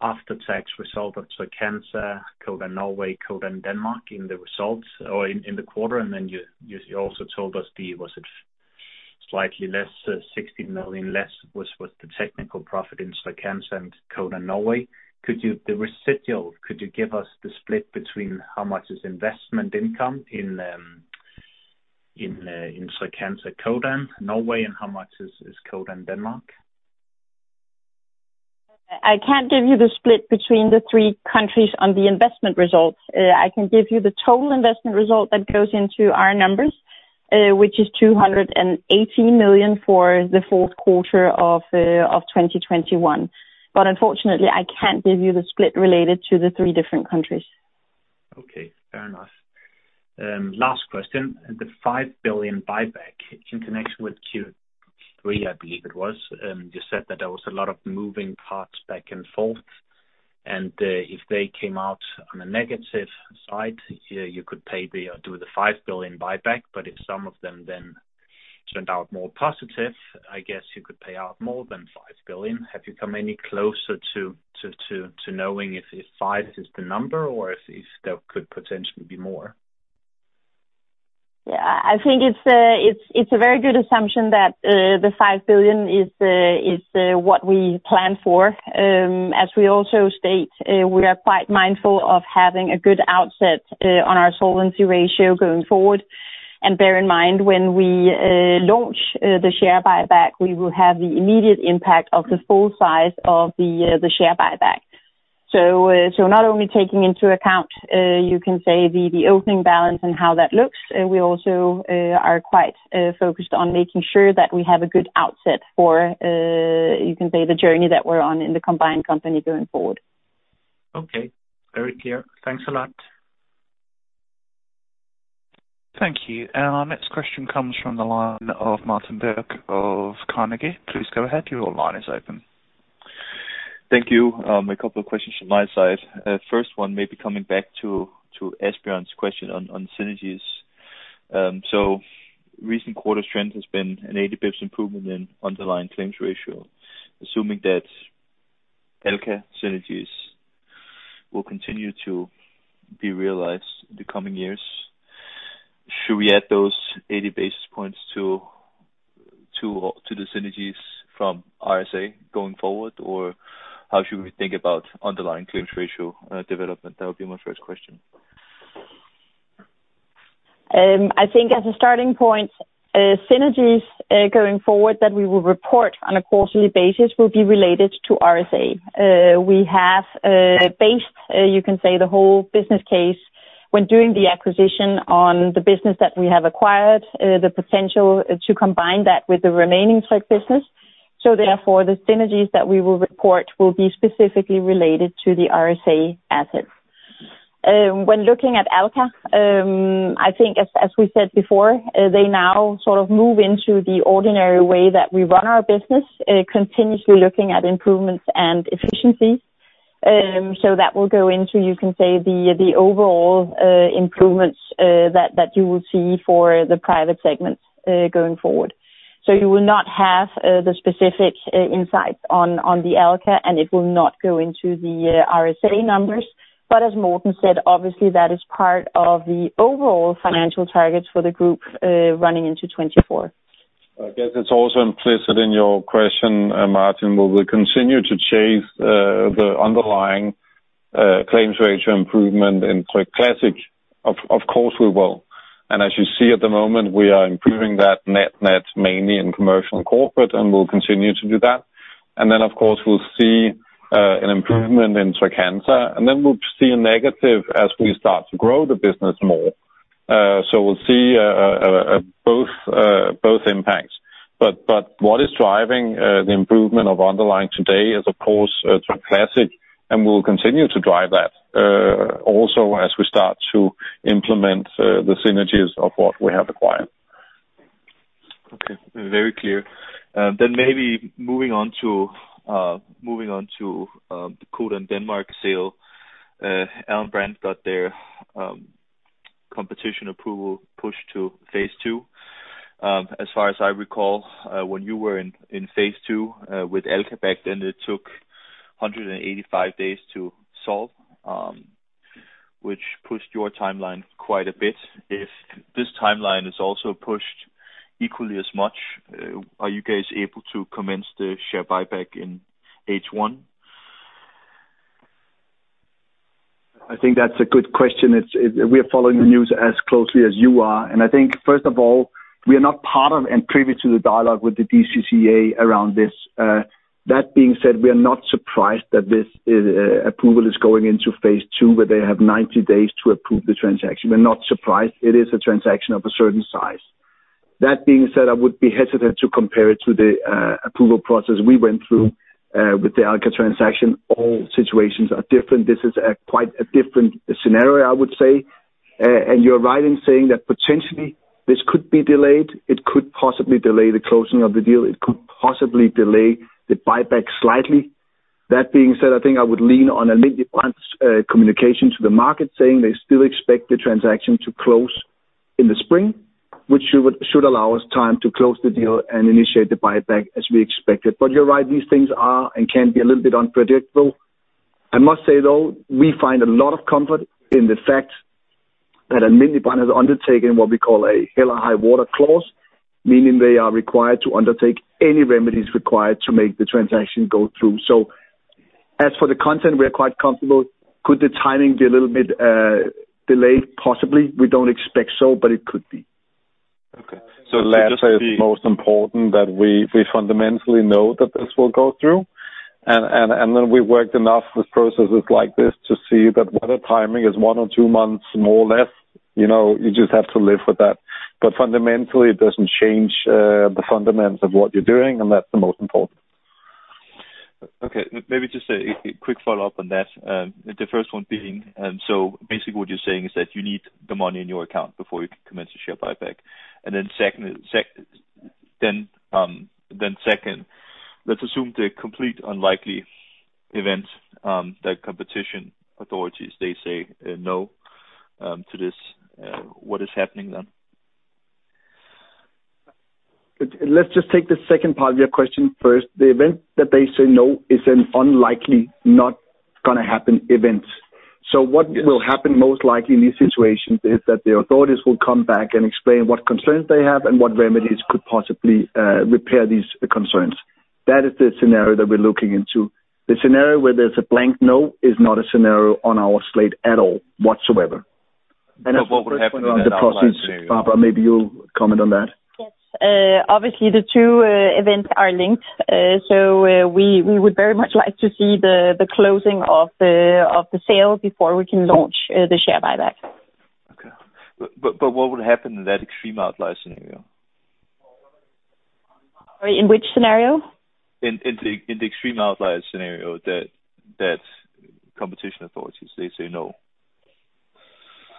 after-tax result of Trygg-Hansa, Codan Norway, Codan Denmark in the results or in the quarter. You also told us the, was it slightly less, 16 million less was the technical profit in Trygg-Hansa and Codan Norway. Could you give us the split between how much is investment income in Trygg-Hansa, Codan Norway, and how much is Codan Denmark? I can't give you the split between the three countries on the investment results. I can give you the total investment result that goes into our numbers, which is 280 million for the fourth quarter of 2021. Unfortunately, I can't give you the split related to the three different countries. Okay, fair enough. Last question. The 5 billion buyback in connection with Q3, I believe it was. You said that there was a lot of moving parts back and forth, and if they came out on a negative side, you could pay the or do the 5 billion buyback, but if some of them then turned out more positive, I guess you could pay out more than 5 billion. Have you come any closer to knowing if 5 billion is the number or if there could potentially be more? Yeah. I think it's a very good assumption that the 5 billion is what we plan for. As we also state, we are quite mindful of having a good outset on our solvency ratio going forward. Bear in mind, when we launch the share buyback, we will have the immediate impact of the full size of the share buyback. Not only taking into account, you can say the opening balance and how that looks, we also are quite focused on making sure that we have a good outset for, you can say the journey that we're on in the combined company going forward. Okay. Very clear. Thanks a lot. Thank you. Our next question comes from the line of Martin Birk of Carnegie. Please go ahead, your line is open. Thank you. A couple of questions from my side. First one coming back to Asbjørn's question on synergies. Recent quarter trend has been an 80 basis points improvement in underlying claims ratio. Assuming that Alka synergies will continue to be realized in the coming years, should we add those 80 basis points to the synergies from RSA going forward? Or how should we think about underlying claims ratio development? That would be my first question. I think as a starting point, synergies going forward that we will report on a quarterly basis will be related to RSA. We have based you can say the whole business case when doing the acquisition on the business that we have acquired, the potential to combine that with the remaining Tryg business. Therefore, the synergies that we will report will be specifically related to the RSA assets. When looking at Alka, I think as we said before, they now sort of move into the ordinary way that we run our business, continuously looking at improvements and efficiencies. That will go into you can say the overall improvements that you will see for the Private segments going forward. You will not have the specific insights on the Alka, and it will not go into the RSA numbers. As Morten said, obviously that is part of the overall financial targets for the group, running into 2024. I guess it's also implicit in your question, Martin. Will we continue to chase the underlying claims ratio improvement in Tryg Classic? Of course, we will. As you see at the moment, we are improving that net-net mainly in Commercial and Corporate, and we'll continue to do that. Then, of course, we'll see an improvement in Trygg-Hansa. Then we'll see a negative as we start to grow the business more. So, we'll see both impacts. But what is driving the improvement of underlying today is, of course, Tryg Classic, and we'll continue to drive that also as we start to implement the synergies of what we have acquired. Okay. Very clear. Then maybe moving on to the Codan Denmark sale. Alm. Brand got their competition approval pushed to Phase 2. As far as I recall, when you were in Phase 2 with Alka back then, it took 185 days to solve, which pushed your timeline quite a bit. If this timeline is also pushed equally as much, are you guys able to commence the share buyback in H1? I think that's a good question. We are following the news as closely as you are. I think first of all, we are not part of and privy to the dialogue with the DCCA around this. That being said, we are not surprised that this approval is going into phase two, where they have 90 days to approve the transaction. We're not surprised. It is a transaction of a certain size. That being said, I would be hesitant to compare it to the approval process we went through with the Alka transaction. All situations are different. This is quite a different scenario, I would say. You're right in saying that potentially this could be delayed. It could possibly delay the closing of the deal. It could possibly delay the buyback slightly. That being said, I think I would lean on a Alm. Brand communication to the market, saying they still expect the transaction to close in the spring, which should allow us time to close the deal and initiate the buyback as we expected. You're right, these things are and can be a little bit unpredictable. I must say though, we find a lot of comfort in the fact that Alm. Brand and partners has undertaken what we call a hell or high water clause, meaning they are required to undertake any remedies required to make the transaction go through. As for the Content, we are quite comfortable. Could the timing be a little bit delayed? Possibly. We don't expect so, but it could be. Okay. Let's say it's most important that we fundamentally know that this will go through, and then we worked enough with processes like this to see that whether timing is one or two months more or less, you know, you just have to live with that. Fundamentally, it doesn't change the fundamentals of what you're doing, and that's the most important. Okay. Maybe just a quick follow-up on that. The first one being, so basically what you're saying is that you need the money in your account before you can commence the share buyback. Then second, let's assume the complete unlikely event that competition authorities they say no to this. What is happening then? Let's just take the second part of your question first. The event that they say no is an unlikely, not gonna happen event. What will happen most likely in these situations is that the authorities will come back and explain what concerns they have and what remedies could possibly repair these concerns. That is the scenario that we're looking into. The scenario where there's a blanket no is not a scenario on our slate at all, whatsoever. What would happen in that outlier scenario? Barbara, maybe you'll comment on that. Yes. Obviously the two events are linked. So we would very much like to see the closing of the sale before we can launch the share buyback. Okay. What would happen in that extreme outlier scenario? In which scenario? In the extreme outlier scenario that competition authorities, they say no.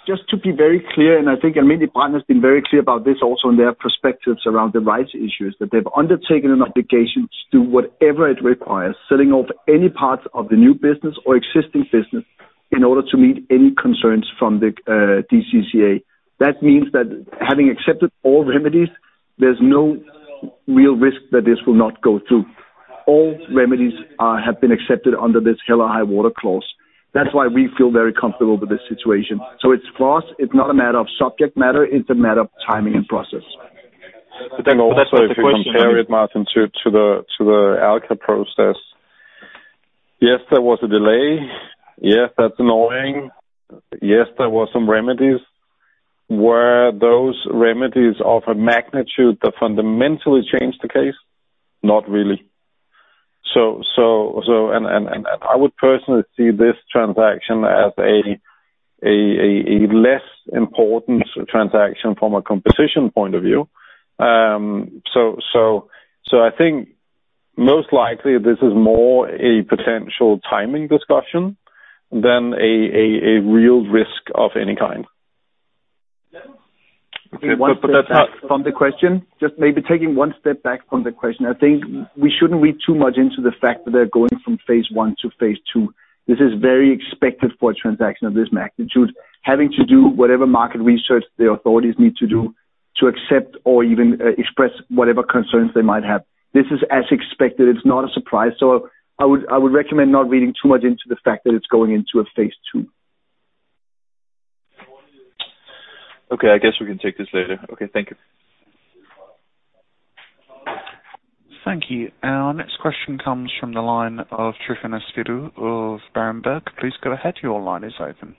Just to be very clear, I think Alm. Brand has been very clear about this also in their perspectives around the rights issues, that they've undertaken an obligation to do whatever it requires, selling off any parts of the new business or existing business in order to meet any concerns from the DCCA. That means that having accepted all remedies, there's no real risk that this will not go through. All remedies are, have been accepted under this hell or high water clause. That's why we feel very comfortable with this situation. It's for us, it's not a matter of subject matter, it's a matter of timing and process. Also if you compare it, Martin, to the Alka process. Yes, there was a delay. Yes, that's annoying. Yes, there was some remedies. Were those remedies of a magnitude that fundamentally changed the case? Not really. I would personally see this transaction as a less important transaction from a competition point of view. I think most likely this is more a potential timing discussion than a real risk of any kind. From the question, just maybe taking one step back from the question. I think we shouldn't read too much into the fact that they're going from phase one to phase two. This is very expected for a transaction of this magnitude, having to do whatever market research the authorities need to do to accept or even express whatever concerns they might have. This is as expected. It's not a surprise. I would recommend not reading too much into the fact that it's going into a phase two. Okay. I guess we can take this later. Okay. Thank you. Thank you. Our next question comes from the line of Tryfonas Spyrou of Berenberg. Please go ahead, your line is open.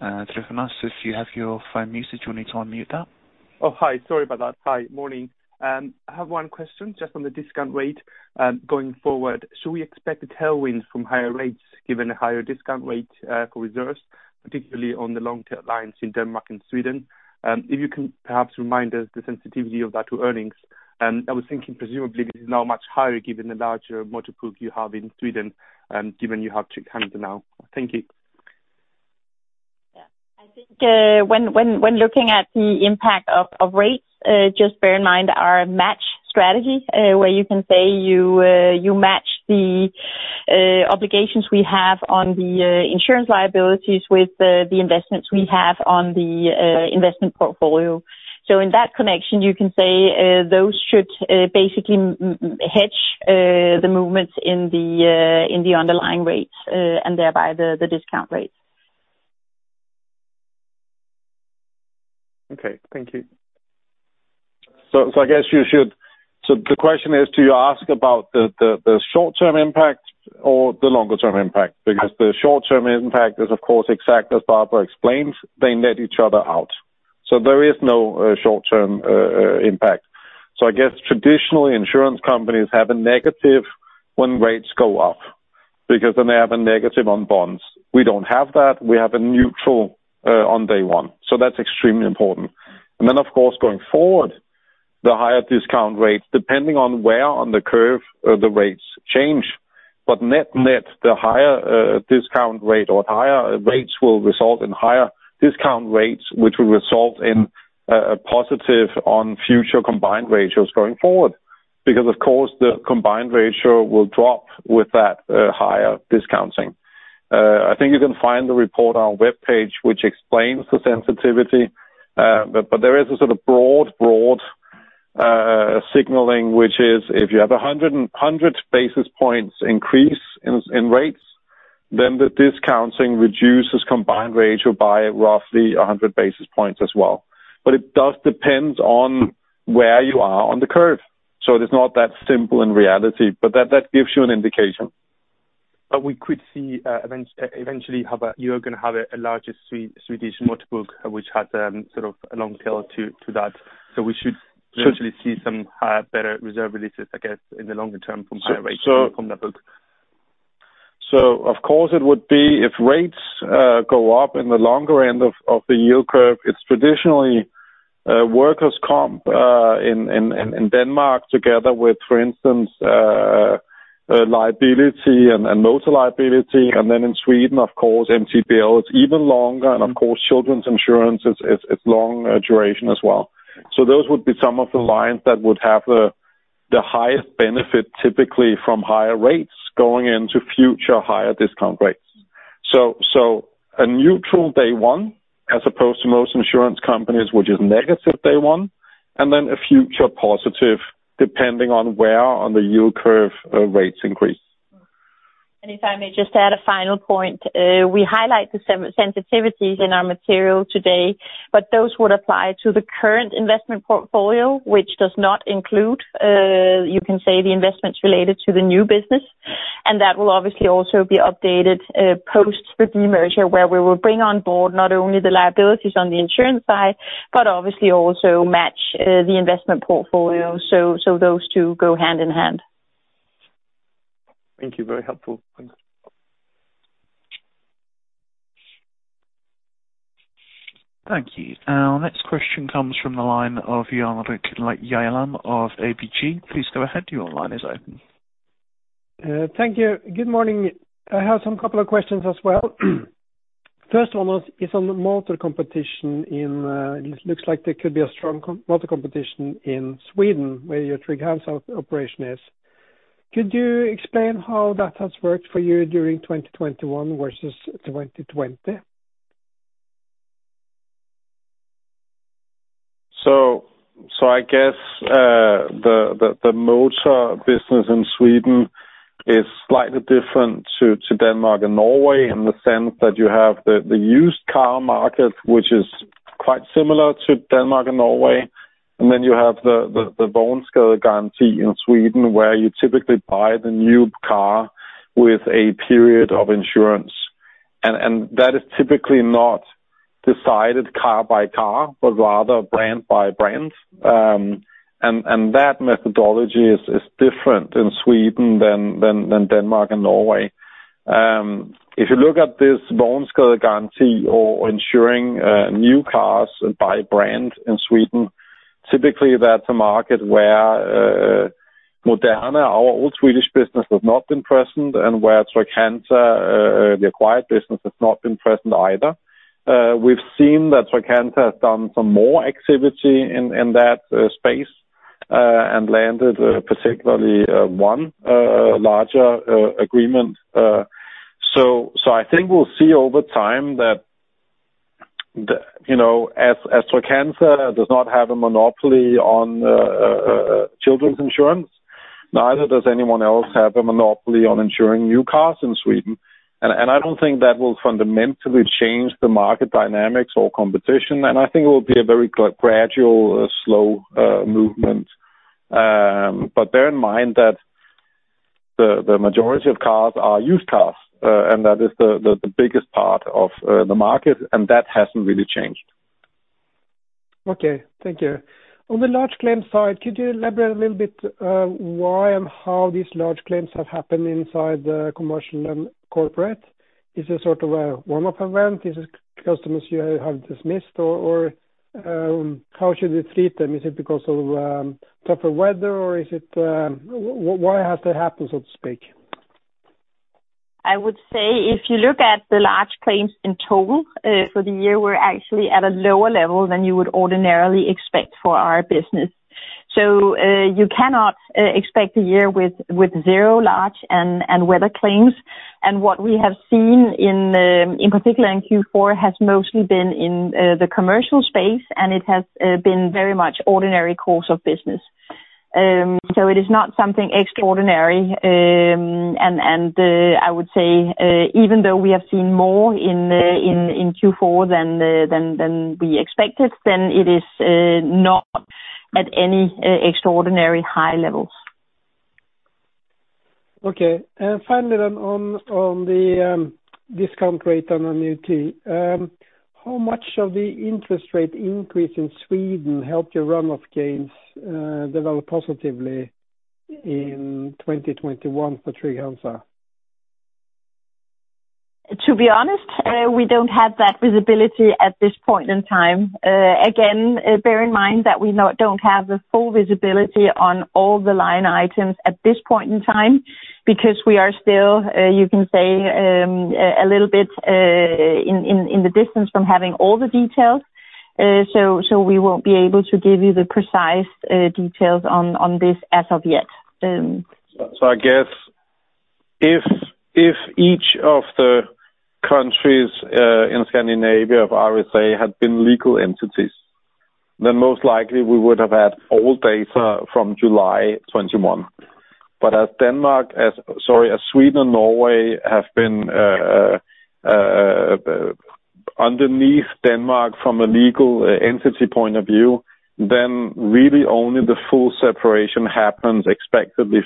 Tryfonas, you have your phone muted, you'll need to unmute that. Oh, hi. Sorry about that. Hi. Morning. I have one question just on the discount rate, going forward. Should we expect a tailwind from higher rates, given a higher discount rate, for reserves, particularly on the long-term lines in Denmark and Sweden? If you can perhaps remind us the sensitivity of that to earnings. I was thinking presumably this is now much higher given the larger multiple you have in Sweden, given you have Trygg-Hansa now. Thank you. Yeah. I think, when looking at the impact of rates, just bear in mind our match strategy, where you can say you match the obligations we have on the insurance liabilities with the investments we have on the investment portfolio. So in that connection, you can say, those should basically hedge the movements in the underlying rates, and thereby the discount rates. Okay. Thank you. I guess you should. The question is, do you ask about the short-term impact or the longer-term impact? Because the short-term impact is of course exactly as Barbara explains, they net each other out. There is no short-term impact. I guess traditional insurance companies have a negative when rates go up, because then they have a negative on bonds. We don't have that. We have a neutral on day one. That's extremely important. Of course, going forward, the higher discount rates, depending on where on the curve, the rates change. Net-net, the higher discount rate or higher rates will result in higher discount rates, which will result in a positive on future combined ratios going forward. Because of course, the combined ratio will drop with that higher discounting. I think you can find the report on our webpage which explains the sensitivity. There is a sort of broad signaling which is if you have 100 basis points increase in rates, then the discounting reduces combined ratio by roughly 100 basis points as well. It does depend on where you are on the curve. It is not that simple in reality, but that gives you an indication. We could see eventually you are gonna have a larger Swedish motor book which has sort of a long tail to that. We should- Sure. Eventually see some better reserve releases, I guess, in the longer term from higher rates from that book. Of course, it would be if rates go up in the longer end of the yield curve, it's traditionally workers' comp in Denmark together with, for instance, a liability and motor liability. In Sweden, of course, MTPL, it's even longer. Children's insurance is long duration as well. Those would be some of the lines that would have the highest benefit typically from higher rates going into future higher discount rates. A neutral day one as opposed to most insurance companies, which is negative day one, and then a future positive depending on where on the yield curve rates increase. If I may just add a final point. We highlight the sensitivities in our material today, but those would apply to the current investment portfolio, which does not include, you can say, the investments related to the new business. That will obviously also be updated post the de-merger, where we will bring on board not only the liabilities on the insurance side, but obviously also match the investment portfolio. So those two go hand in hand. Thank you. Very helpful. Thanks. Thank you. Our next question comes from the line of Jan Erik Gjerland of ABG. Please go ahead. Your line is open. Thank you. Good morning. I have some couple of questions as well. First one is on the motor competition. It looks like there could be a strong motor competition in Sweden, where your Trygg-Hansa operation is. Could you explain how that has worked for you during 2021 versus 2020? I guess the motor business in Sweden is slightly different to Denmark and Norway in the sense that you have the used car market, which is quite similar to Denmark and Norway. You have the Vagnskadegaranti in Sweden, where you typically buy the new car with a period of insurance. That is typically not decided car by car, but rather brand by brand. That methodology is different in Sweden than Denmark and Norway. If you look at this Vagnskadegaranti or insuring new cars by brand in Sweden, typically that's a market where Moderna, our old Swedish business has not been present and where Trygg-Hansa, the acquired business, has not been present either. We've seen that Trygg-Hansa has done some more activity in that space and landed, particularly, one larger agreement. I think we'll see over time that, you know, as Trygg-Hansa does not have a monopoly on children's insurance, neither does anyone else have a monopoly on insuring new cars in Sweden. I don't think that will fundamentally change the market dynamics or competition. I think it will be a very gradual, slow movement. Bear in mind that the majority of cars are used cars, and that is the biggest part of the market, and that hasn't really changed. Okay. Thank you. On the large claims side, could you elaborate a little bit why and how these large claims have happened inside the Commercial and Corporate? Is it sort of a warm-up event? Is it customers you have dismissed? Or how should we treat them? Is it because of tougher weather or is it why has that happened, so to speak? I would say if you look at the large claims in total, for the year, we're actually at a lower level than you would ordinarily expect for our business. You cannot expect a year with zero large and weather claims. What we have seen in particular in Q4 has mostly been in the Commercial space, and it has been very much ordinary course of business. It is not something extraordinary. I would say, even though we have seen more in Q4 than we expected, then it is not at any extraordinary high levels. Okay. Finally on the discount rate on our new tier, how much of the interest rate increase in Sweden helped your run-off gains develop positively in 2021 for Trygg-Hansa? To be honest, we don't have that visibility at this point in time. Again, bear in mind that we don't have the full visibility on all the line items at this point in time because we are still you can say a little bit in the distance from having all the details. So we won't be able to give you the precise details on this as of yet. If each of the countries in Scandinavia of RSA had been legal entities, then most likely we would have had all data from July 2021. As Sweden and Norway have been underneath Denmark from a legal entity point of view, then really only the full separation happens expectedly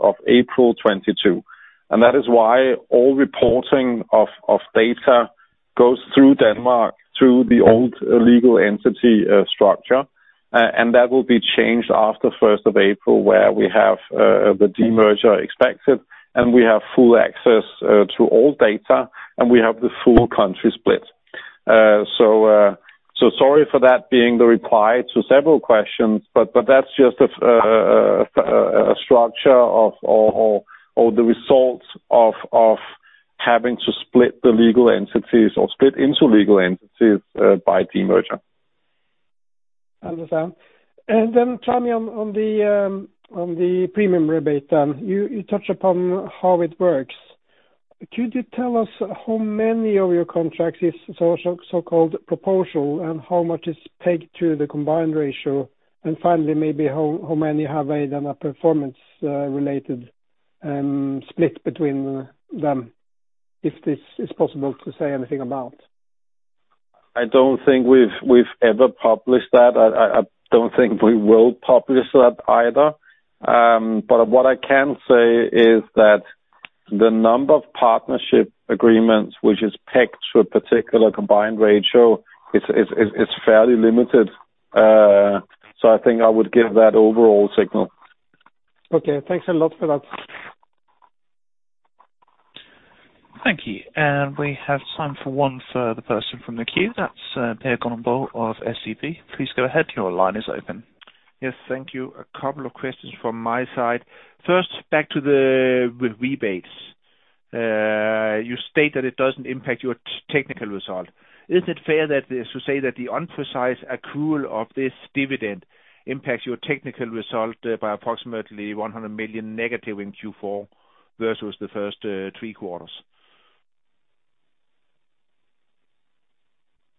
of April 1st, 2022. That is why all reporting of data goes through Denmark through the old legal entity structure. That will be changed after April 1st, where we have the de-merger expected, and we have full access to all data, and we have the full country split. Sorry for that being the reply to several questions, but that's just a structure of, or the results of having to split the legal entities or split into legal entities by de-merger. Understood. Then tell me on the premium rebate then. You touched upon how it works. Could you tell us how many of your contracts is so-called proportional and how much is pegged to the combined ratio? Finally, maybe how many have made on a performance related split between them, if this is possible to say anything about. I don't think we've ever published that. I don't think we will publish that either. What I can say is that the number of partnership agreements which is pegged to a particular combined ratio is fairly limited. I think I would give that overall signal. Okay. Thanks a lot for that. Thank you. We have time for one further person from the queue. That's Per Grønborg of SEB. Please go ahead. Your line is open. Yes. Thank you. A couple of questions from my side. First, back to the rebates. You state that it doesn't impact your technical result. Is it fair to say that the imprecise accrual of this dividend impacts your technical result by approximately 100 million negative in Q4 versus the first three quarters?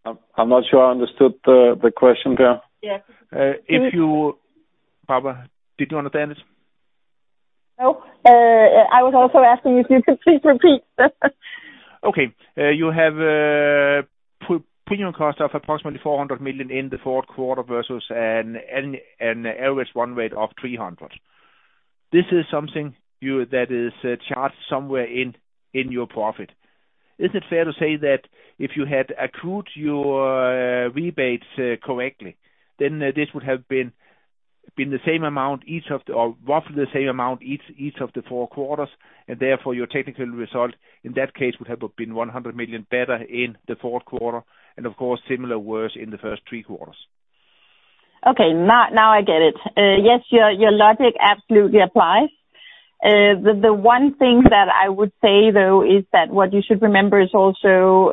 I'm not sure I understood the question there. Yeah. Barbara, did you understand it? No. I was also asking if you could please repeat. Okay. You have premium cost of approximately 400 million in the fourth quarter versus an average run rate of 300 million. This is something that is charged somewhere in your profit. Is it fair to say that if you had accrued your rebates correctly, then this would have been the same amount each of the four quarters, or roughly the same amount each of the four quarters, and therefore your technical result in that case would have been 100 million better in the fourth quarter, and of course, similar worse in the first three quarters. Okay. Now I get it. Yes, your logic absolutely applies. The one thing that I would say, though, is that what you should remember is also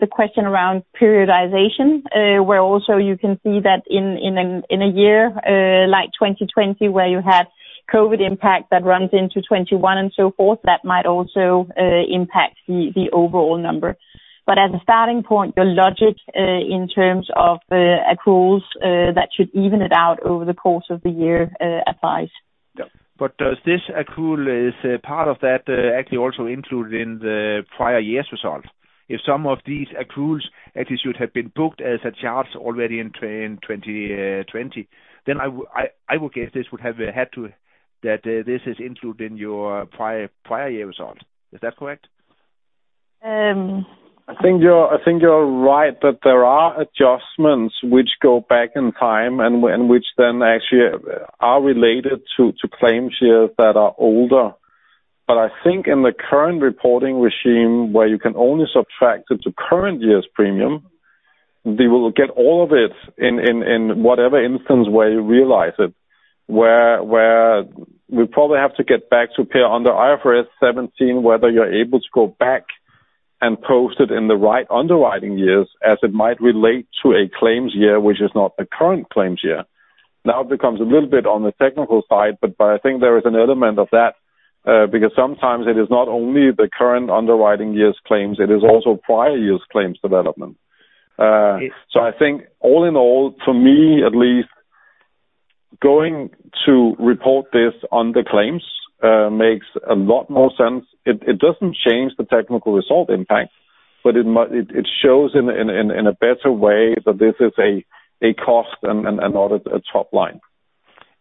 the question around periodization, where also you can see that in a year like 2020, where you had COVID-19 impact that runs into 2021 and so forth, that might also impact the overall number. As a starting point, your logic in terms of accruals that should even it out over the course of the year applies. Yeah. Does this accrual is part of that, actually also included in the prior year's result? If some of these accruals actually should have been booked as a charge already in 2020, then I would guess this would have had to be included in your prior year result. Is that correct? Um- I think you're right that there are adjustments which go back in time and which then actually are related to claim shares that are older. I think in the current reporting regime, where you can only subtract it to current year's premium, they will get all of it in whatever instance where you realize it. Where we probably have to get back to Per under IFRS 17, whether you're able to go back and post it in the right underwriting years as it might relate to a claims year, which is not the current claims year. Now it becomes a little bit on the technical side, but I think there is an element of that because sometimes it is not only the current underwriting year's claims, it is also prior years' claims development. Yes. I think all in all, for me, at least, going to report this on the claims makes a lot more sense. It doesn't change the technical result impact, but it shows in a better way that this is a cost and not a top line.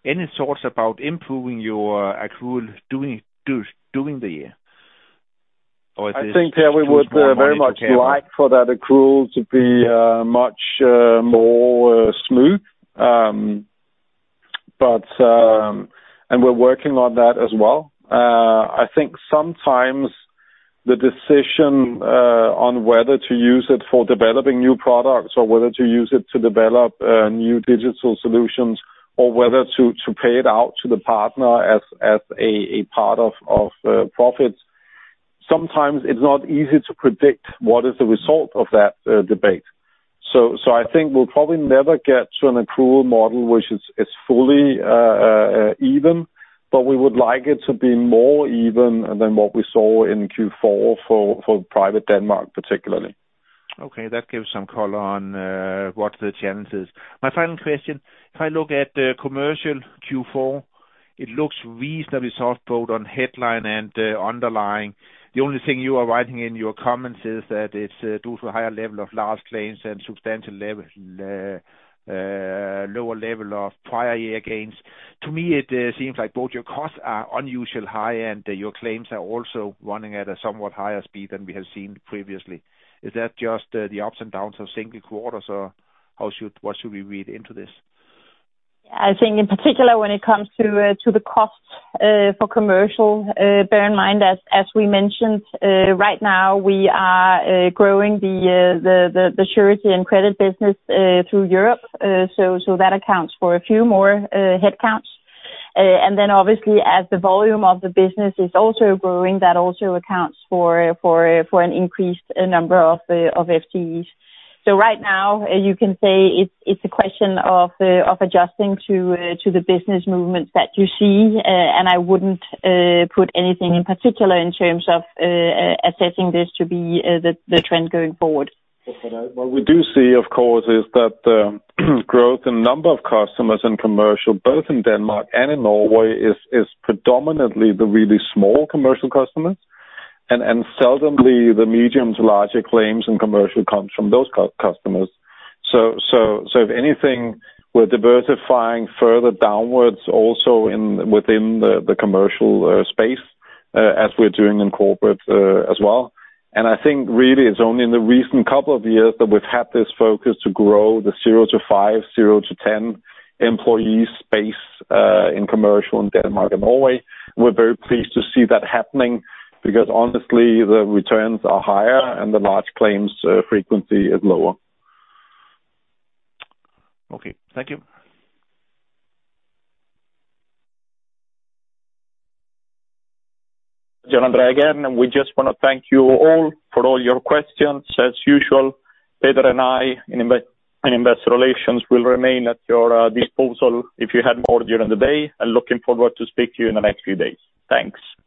Any thoughts about improving your accrual during the year? Or is this- I think, yeah, we would very much like for that accrual to be much more smooth. We're working on that as well. I think sometimes the decision on whether to use it for developing new products or whether to use it to develop new digital solutions or whether to pay it out to the partner as a part of profits. Sometimes it's not easy to predict what is the result of that debate. I think we'll probably never get to an approval model which is fully even, but we would like it to be more even than what we saw in Q4 for Private Denmark, particularly. Okay. That gives some color on what the challenges. My final question, if I look at the Commercial Q4, it looks reasonably soft both on headline and underlying. The only thing you are writing in your comments is that it's due to a higher level of large claims and lower level of prior year gains. To me, it seems like both your costs are unusually high, and your claims are also running at a somewhat higher speed than we have seen previously. Is that just the ups and downs of single quarters, or what should we read into this? I think in particular, when it comes to the cost for Commercial, bear in mind, as we mentioned, right now we are growing the surety and credit business through Europe. That accounts for a few more headcounts. Obviously as the volume of the business is also growing, that also accounts for an increased number of FTEs. Right now, you can say it's a question of adjusting to the business movements that you see. I wouldn't put anything in particular in terms of assessing this to be the trend going forward. What we do see, of course, is that the growth in number of customers and Commercial, both in Denmark and in Norway is predominantly the really small Commercial customers and seldomly the medium to larger claims and Commercial comes from those customers. If anything, we're diversifying further downwards also within the Commercial space as we're doing in Corporate as well. I think really it's only in the recent couple of years that we've had this focus to grow the zero to five, zero to ten employees space in Commercial in Denmark and Norway. We're very pleased to see that happening because honestly, the returns are higher and the large claims frequency is lower. Okay. Thank you. Gianandrea again. We just wanna thank you all for all your questions. As usual, Peter and I in investor relations will remain at your disposal if you have more during the day and looking forward to speaking to you in the next few days. Thanks. Thank you.